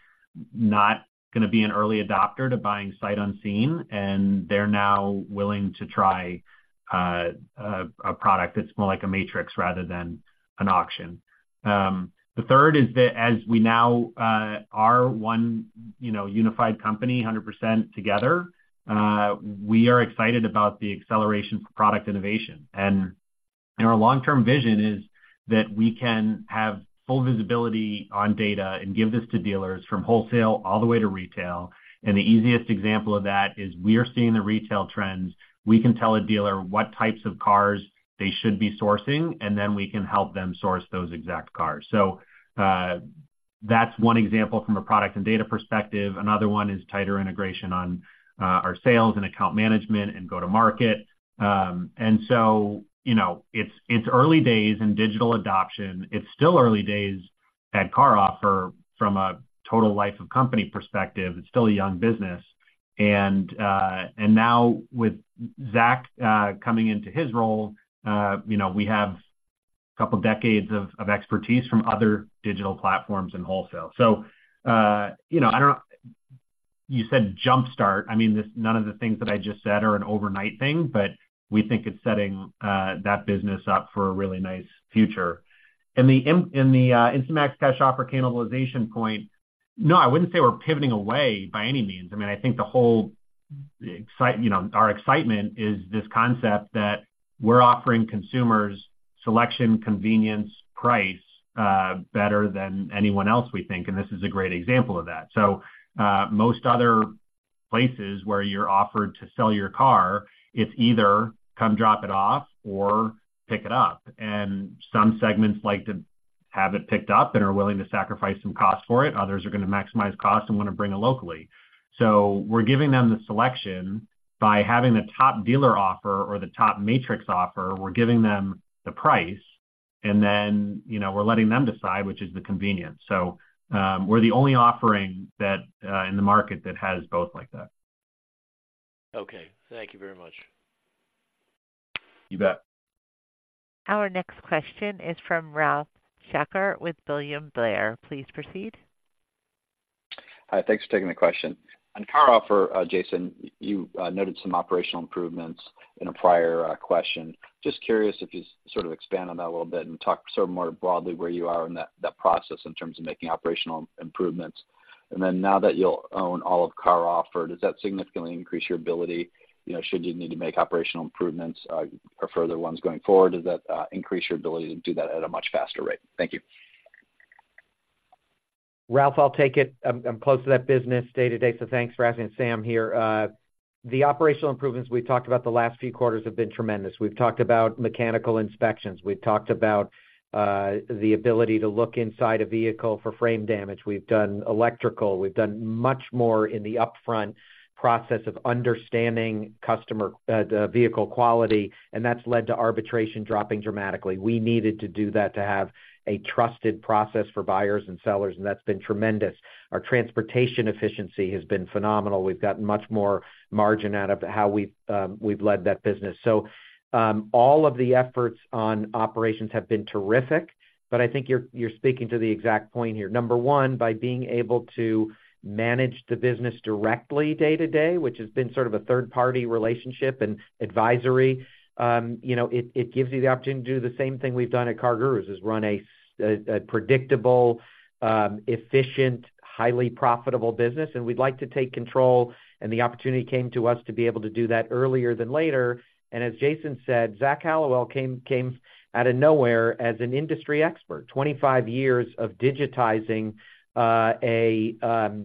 not going to be an early adopter to buying sight unseen, and they're now willing to try a product that's more like a matrix rather than an auction. The third is that as we now are one, you know, unified company, 100% together, we are excited about the acceleration for product innovation. And our long-term vision is that we can have full visibility on data and give this to dealers from wholesale all the way to retail. And the easiest example of that is we are seeing the retail trends. We can tell a dealer what types of cars they should be sourcing, and then we can help them source those exact cars. So, that's one example from a product and data perspective. Another one is tighter integration on our sales and account management and go-to-market. And so you know, it's, it's early days in digital adoption. It's still early days at CarOffer from a total life of company perspective. It's still a young business. And, and now with Zach coming into his role, you know, we have a couple decades of, of expertise from other digital platforms in wholesale. So, you know, I don't know... You said jump-start. I mean, this, none of the things that I just said are an overnight thing, but we think it's setting that business up for a really nice future. In the Instant Max Cash Offer cannibalization point, no, I wouldn't say we're pivoting away by any means. I mean, I think the whole excitement is this concept that we're offering consumers selection, convenience, price, better than anyone else, we think, and this is a great example of that. So, most other places where you're offered to sell your car, it's either come drop it off or pick it up, and some segments like to have it picked up and are willing to sacrifice some cost for it. Others are going to maximize cost and want to bring it locally. So we're giving them the selection by having the top dealer offer or the top matrix offer. We're giving them the price, and then, you know, we're letting them decide, which is the convenience. So, we're the only offering that, in the market that has both like that. Okay, thank you very much. You bet. Our next question is from Ralph Schackart with William Blair. Please proceed. Hi, thanks for taking the question. On CarOffer, Jason, you noted some operational improvements in a prior question. Just curious if you sort of expand on that a little bit and talk sort of more broadly, where you are in that process in terms of making operational improvements. And then now that you'll own all of CarOffer, does that significantly increase your ability, you know, should you need to make operational improvements, or further ones going forward? Does that increase your ability to do that at a much faster rate? Thank you. Ralph I'll take it. I'm close to that business day-to-day, so thanks for asking. Sam here. The operational improvements we've talked about the last few quarters have been tremendous. We've talked about mechanical inspections. We've talked about the ability to look inside a vehicle for frame damage. We've done electrical. We've done much more in the upfront process of understanding customer the vehicle quality, and that's led to arbitration dropping dramatically. We needed to do that to have a trusted process for buyers and sellers, and that's been tremendous. Our transportation efficiency has been phenomenal. We've gotten much more margin out of how we've led that business. So all of the efforts on operations have been terrific, but I think you're speaking to the exact point here. Number 1, by being able to manage the business directly day-to-day, which has been sort of a third-party relationship and advisory, you know, it gives you the opportunity to do the same thing we've done at CarGurus, is run a predictable, efficient, highly profitable business, and we'd like to take control, and the opportunity came to us to be able to do that earlier than later. And as Jason said, Zach Hallowell came out of nowhere as an industry expert, 25 years of digitizing a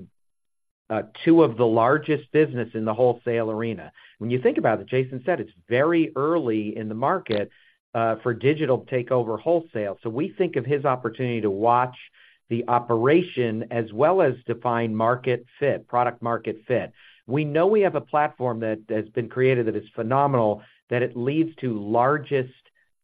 two of the largest business in the wholesale arena. When you think about it, Jason said it's very early in the market for digital takeover wholesale. So we think of his opportunity to watch the operation as well as define market fit, product market fit. We know we have a platform that has been created that is phenomenal, that it leads to largest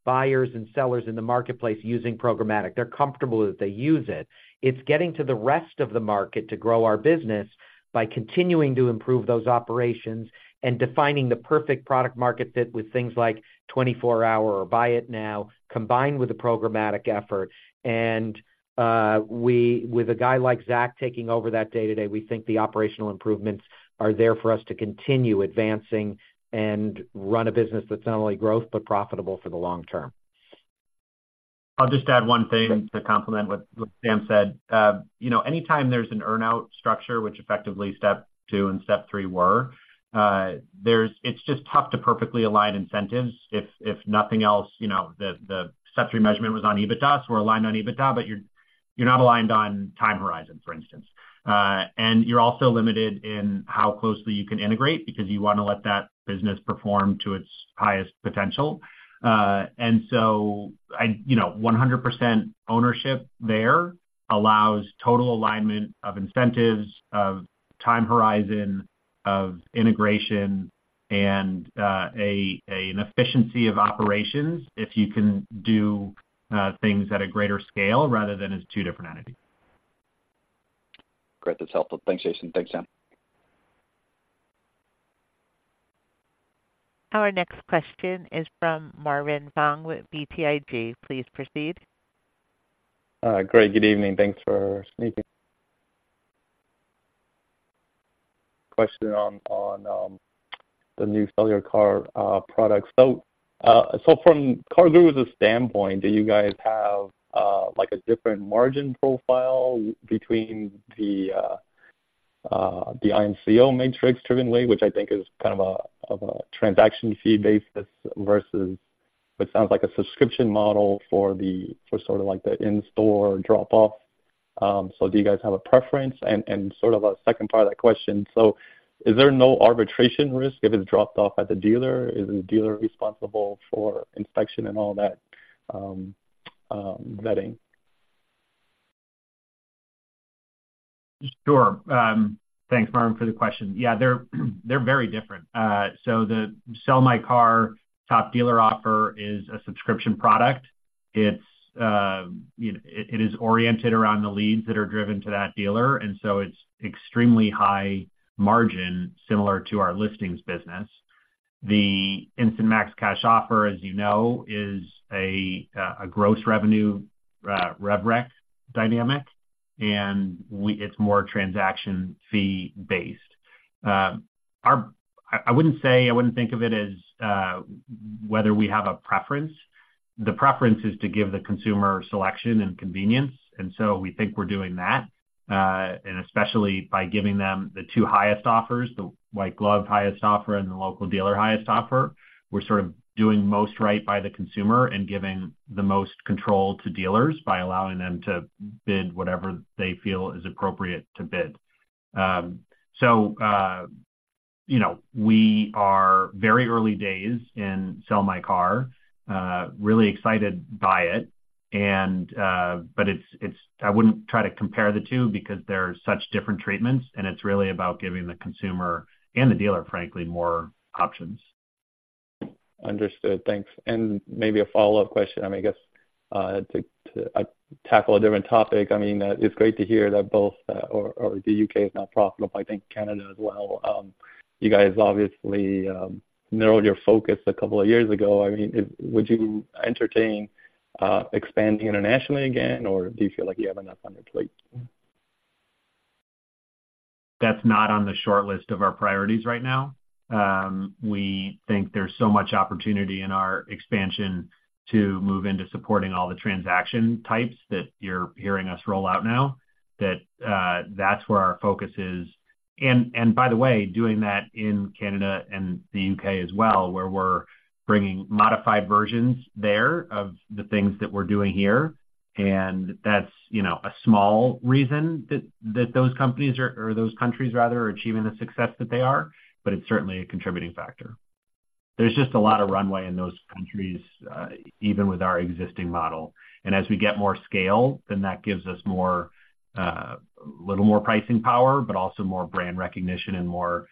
buyers and sellers in the marketplace using programmatic. They're comfortable that they use it. It's getting to the rest of the market to grow our business by continuing to improve those operations and defining the perfect product market fit with things like 24-hour or Buy It Now, combined with a programmatic effort. And with a guy like Zach taking over that day-to-day, we think the operational improvements are there for us to continue advancing and run a business that's not only growth, but profitable for the long term. I'll just add one thing to complement what, what Sam said. You know, anytime there's an earn-out structure, which effectively step two and step three were, there's. It's just tough to perfectly align incentives. If nothing else, you know, the step three measurement was on EBITDA, so we're aligned on EBITDA, but you're not aligned on time horizon, for instance. And you're also limited in how closely you can integrate because you want to let that business perform to its highest potential. And so I. You know, 100% ownership there allows total alignment of incentives, of time horizon, of integration and an efficiency of operations if you can do things at a greater scale rather than as 2 different entities. Great, that's helpful. Thanks, Jason. Thanks, Sam. Our next question is from Marvin Fong with BTIG. Please proceed. Great. Good evening. Thanks for taking my question. Question on the new sell-your-car products. So, from CarGurus's standpoint, do you guys have, like, a different margin profile between the IMCO Matrix-driven way, which I think is kind of a transaction fee basis versus what sounds like a subscription model for the—for sort of like the in-store drop-off? So do you guys have a preference? And sort of a second part of that question, so is there no arbitration risk if it's dropped off at the dealer? Is the dealer responsible for inspection and all that vetting? Sure. Thanks Marvin for the question. Yeah, they're, they're very different. So the Sell My Car Top Dealer Offer is a subscription product. It's, you know, it, it is oriented around the leads that are driven to that dealer, and so it's extremely high margin, similar to our listings business. The Instant Max Cash Offer, as you know, is a gross revenue rev rec dynamic, and we... It's more transaction fee based. I, I wouldn't say, I wouldn't think of it as whether we have a preference. The preference is to give the consumer selection and convenience, and so we think we're doing that, and especially by giving them the two highest offers, the white gloved highest offer and the local dealer highest offer. We're sort of doing most right by the consumer and giving the most control to dealers by allowing them to bid whatever they feel is appropriate to bid. So, you know, we are very early days in Sell My Car. Really excited by it and, but it's I wouldn't try to compare the two because they're such different treatments, and it's really about giving the consumer and the dealer, frankly, more options. Understood. Thanks. Maybe a follow-up question, I mean, I guess, to tackle a different topic. I mean, it's great to hear that both the UK is not profitable, I think Canada as well. You guys obviously narrowed your focus a couple of years ago. I mean, would you entertain expanding internationally again, or do you feel like you have enough on your plate? That's not on the shortlist of our priorities right now. We think there's so much opportunity in our expansion to move into supporting all the transaction types that you're hearing us roll out now, that that's where our focus is. And by the way, doing that in Canada and the UK as well, where we're bringing modified versions there of the things that we're doing here, and that's, you know, a small reason that those countries, rather, are achieving the success that they are, but it's certainly a contributing factor. There's just a lot of runway in those countries, even with our existing model. And as we get more scale, then that gives us more little more pricing power, but also more brand recognition and more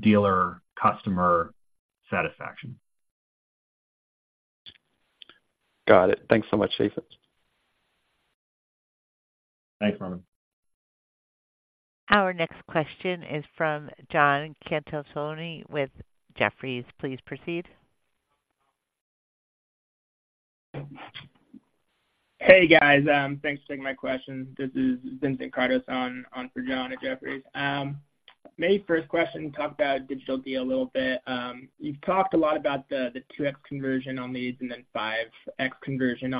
dealer customer satisfaction. Got it. Thanks so much Jason. Thanks Marvin. Our next question is from John Colantuoni with Jefferies. Please proceed. Hey, guys. Thanks for taking my question. This is Vincent Carter on for John at Jefferies. My first question: talk about Digital Deal a little bit. You've talked a lot about the 2x conversion on leads and then 5x conversion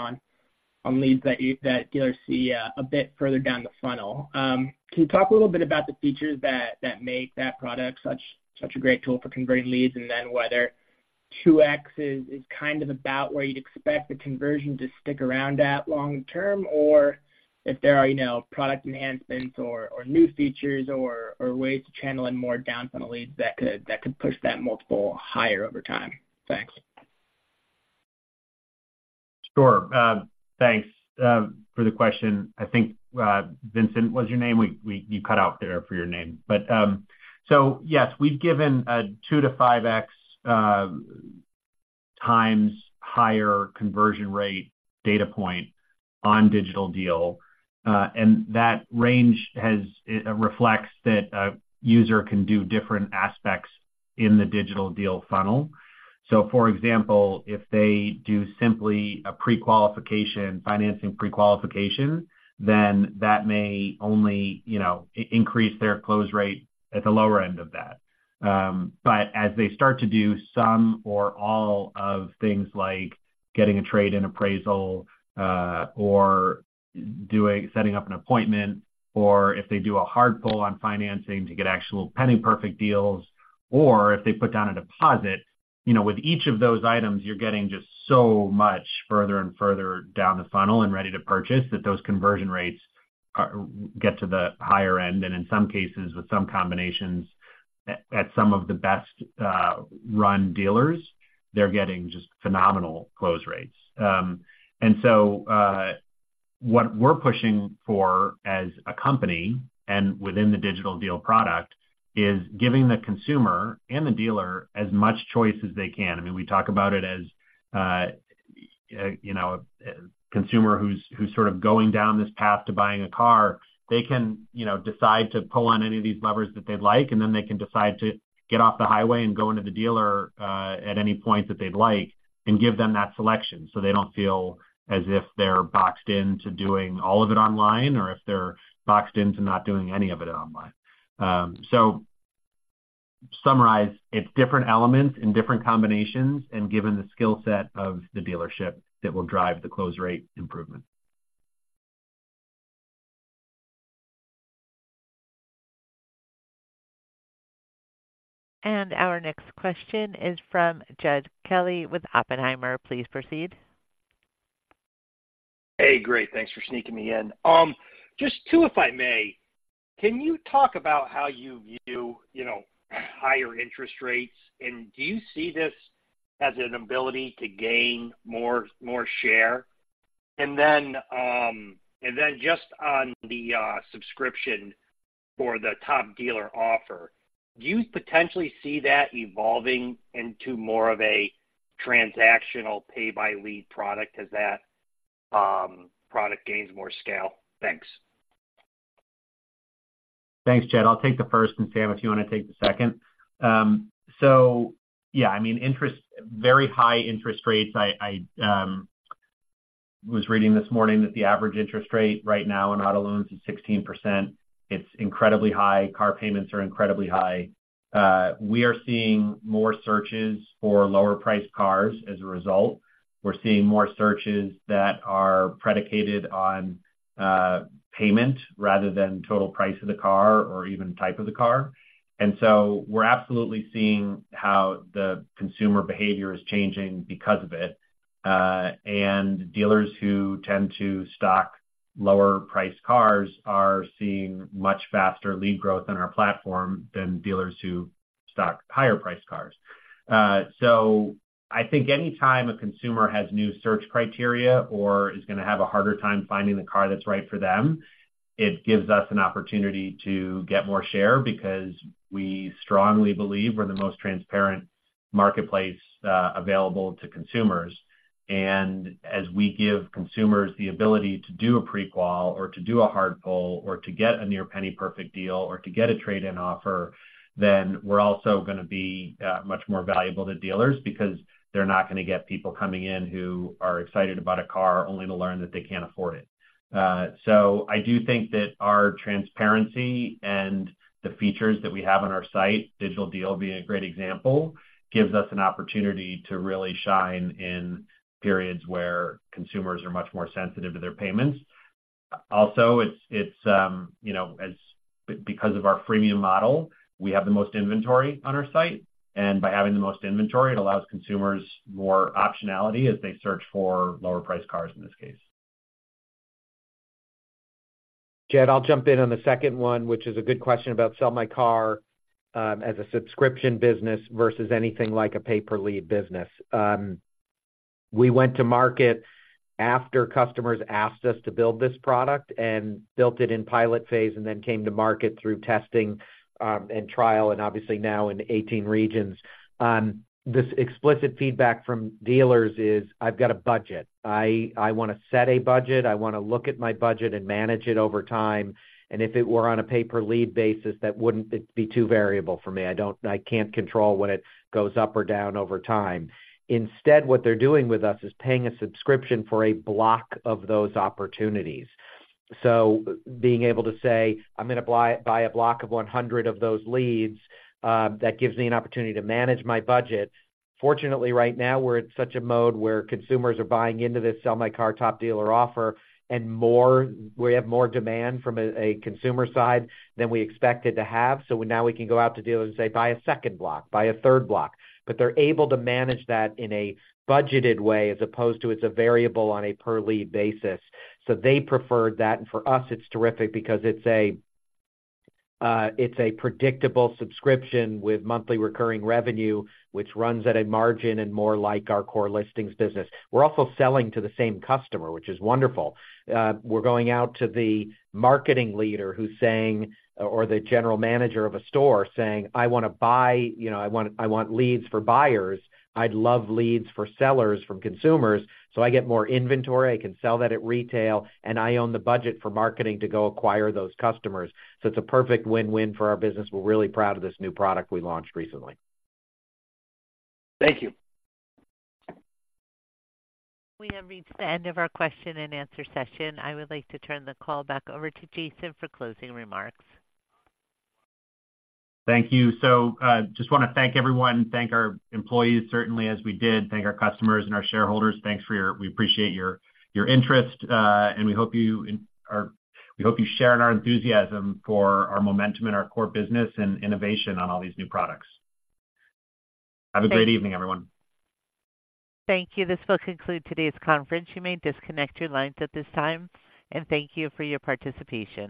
on leads that dealers see a bit further down the funnel. Can you talk a little bit about the features that make that product such a great tool for converting leads, and then whether 2x is kind of about where you'd expect the conversion to stick around at long term, or if there are, you know, product enhancements or new features or ways to channel in more down funnel leads that could push that multiple higher over time? Thanks. Sure. Thanks for the question. I think, Vincent, was your name? You cut out there for your name. But, so yes, we've given a 2 to 5x times higher conversion rate data point on Digital Deal, and that range has reflects that a user can do different aspects in the Digital Deal funnel. So for example, if they do simply a pre-qualification, financing pre-qualification, then that may only, you know, increase their close rate at the lower end of that. But as they start to do some or all of things like getting a trade-in appraisal, or doing... Setting up an appointment, or if they do a hard pull on financing to get actual penny perfect deals, or if they put down a deposit, you know, with each of those items, you're getting just so much further and further down the funnel and ready to purchase, that those conversion rates get to the higher end, and in some cases, with some combinations, at some of the best run dealers, they're getting just phenomenal close rates. And so, what we're pushing for as a company and within the Digital Deal product is giving the consumer and the dealer as much choice as they can. I mean, we talk about it as, you know, consumer who's sort of going down this path to buying a car. They can, you know, decide to pull on any of these levers that they'd like, and then they can decide to get off the highway and go into the dealer at any point that they'd like and give them that selection, so they don't feel as if they're boxed into doing all of it online, or if they're boxed into not doing any of it online. So to summarize, it's different elements in different combinations and given the skill set of the dealership, that will drive the close rate improvement. Our next question is from Jed Kelly with Oppenheimer. Please proceed. Hey, great. Thanks for sneaking me in. Just 2, if I may: Can you talk about how you view, you know, higher interest rates, and do you see this as an ability to gain more, more share? And then, and then just on the subscription for the Top Dealer Offer, do you potentially see that evolving into more of a transactional pay-by-lead product as that product gains more scale? Thanks. Thanks Jed. I'll take the first, and Sam, if you wanna take the second. So yeah, I mean, interest - very high interest rates. I was reading this morning that the average interest rate right now on auto loans is 16%. It's incredibly high. Car payments are incredibly high. We are seeing more searches for lower-priced cars as a result. We're seeing more searches that are predicated on payment rather than total price of the car or even type of the car. And so we're absolutely seeing how the consumer behavior is changing because of it. And dealers who tend to stock lower-priced cars are seeing much faster lead growth on our platform than dealers who stock higher-priced cars. So I think anytime a consumer has new search criteria or is gonna have a harder time finding the car that's right for them, it gives us an opportunity to get more share because we strongly believe we're the most transparent marketplace available to consumers. And as we give consumers the ability to do a pre-qual or to do a hard pull or to get a near penny-perfect deal or to get a trade-in offer, then we're also gonna be much more valuable to dealers because they're not gonna get people coming in who are excited about a car, only to learn that they can't afford it. So I do think that our transparency and the features that we have on our site, Digital Deal being a great example, gives us an opportunity to really shine in periods where consumers are much more sensitive to their payments. Also, it's, you know, because of our freemium model, we have the most inventory on our site, and by having the most inventory, it allows consumers more optionality as they search for lower-priced cars in this case. Judd, I'll jump in on the second one, which is a good question about Sell My Car, as a subscription business versus anything like a pay-per-lead business. We went to market after customers asked us to build this product and built it in pilot phase and then came to market through testing, and trial, and obviously now in 18 regions. This explicit feedback from dealers is: I've got a budget. I wanna set a budget. I wanna look at my budget and manage it over time, and if it were on a pay-per-lead basis, that wouldn't... It'd be too variable for me. I don't—I can't control when it goes up or down over time. Instead, what they're doing with us is paying a subscription for a block of those opportunities. So being able to say, "I'm gonna buy a block of 100 of those leads, that gives me an opportunity to manage my budget." Fortunately, right now, we're at such a mode where consumers are buying into this Sell My Car Top Dealer Offer, and we have more demand from a consumer side than we expected to have. So now we can go out to dealers and say, "Buy a second block, buy a third block." But they're able to manage that in a budgeted way, as opposed to it's a variable on a per-lead basis. So they preferred that, and for us, it's terrific because it's a predictable subscription with monthly recurring revenue, which runs at a margin and more like our core listings business. We're also selling to the same customer, which is wonderful. We're going out to the marketing leader who's saying, or the general manager of a store saying, "I wanna buy, you know, I want, I want leads for buyers. I'd love leads for sellers from consumers, so I get more inventory, I can sell that at retail, and I own the budget for marketing to go acquire those customers." So it's a perfect win-win for our business. We're really proud of this new product we launched recently. Thank you. We have reached the end of our question-and-answer session. I would like to turn the call back over to Jason for closing remarks. Thank you. Just wanna thank everyone, thank our employees, certainly, as we did, thank our customers and our shareholders. Thanks for your... We appreciate your interest, and we hope you share in our enthusiasm for our momentum and our core business and innovation on all these new products. Have a great evening, everyone. Thank you. This will conclude today's conference. You may disconnect your lines at this time, and thank you for your participation.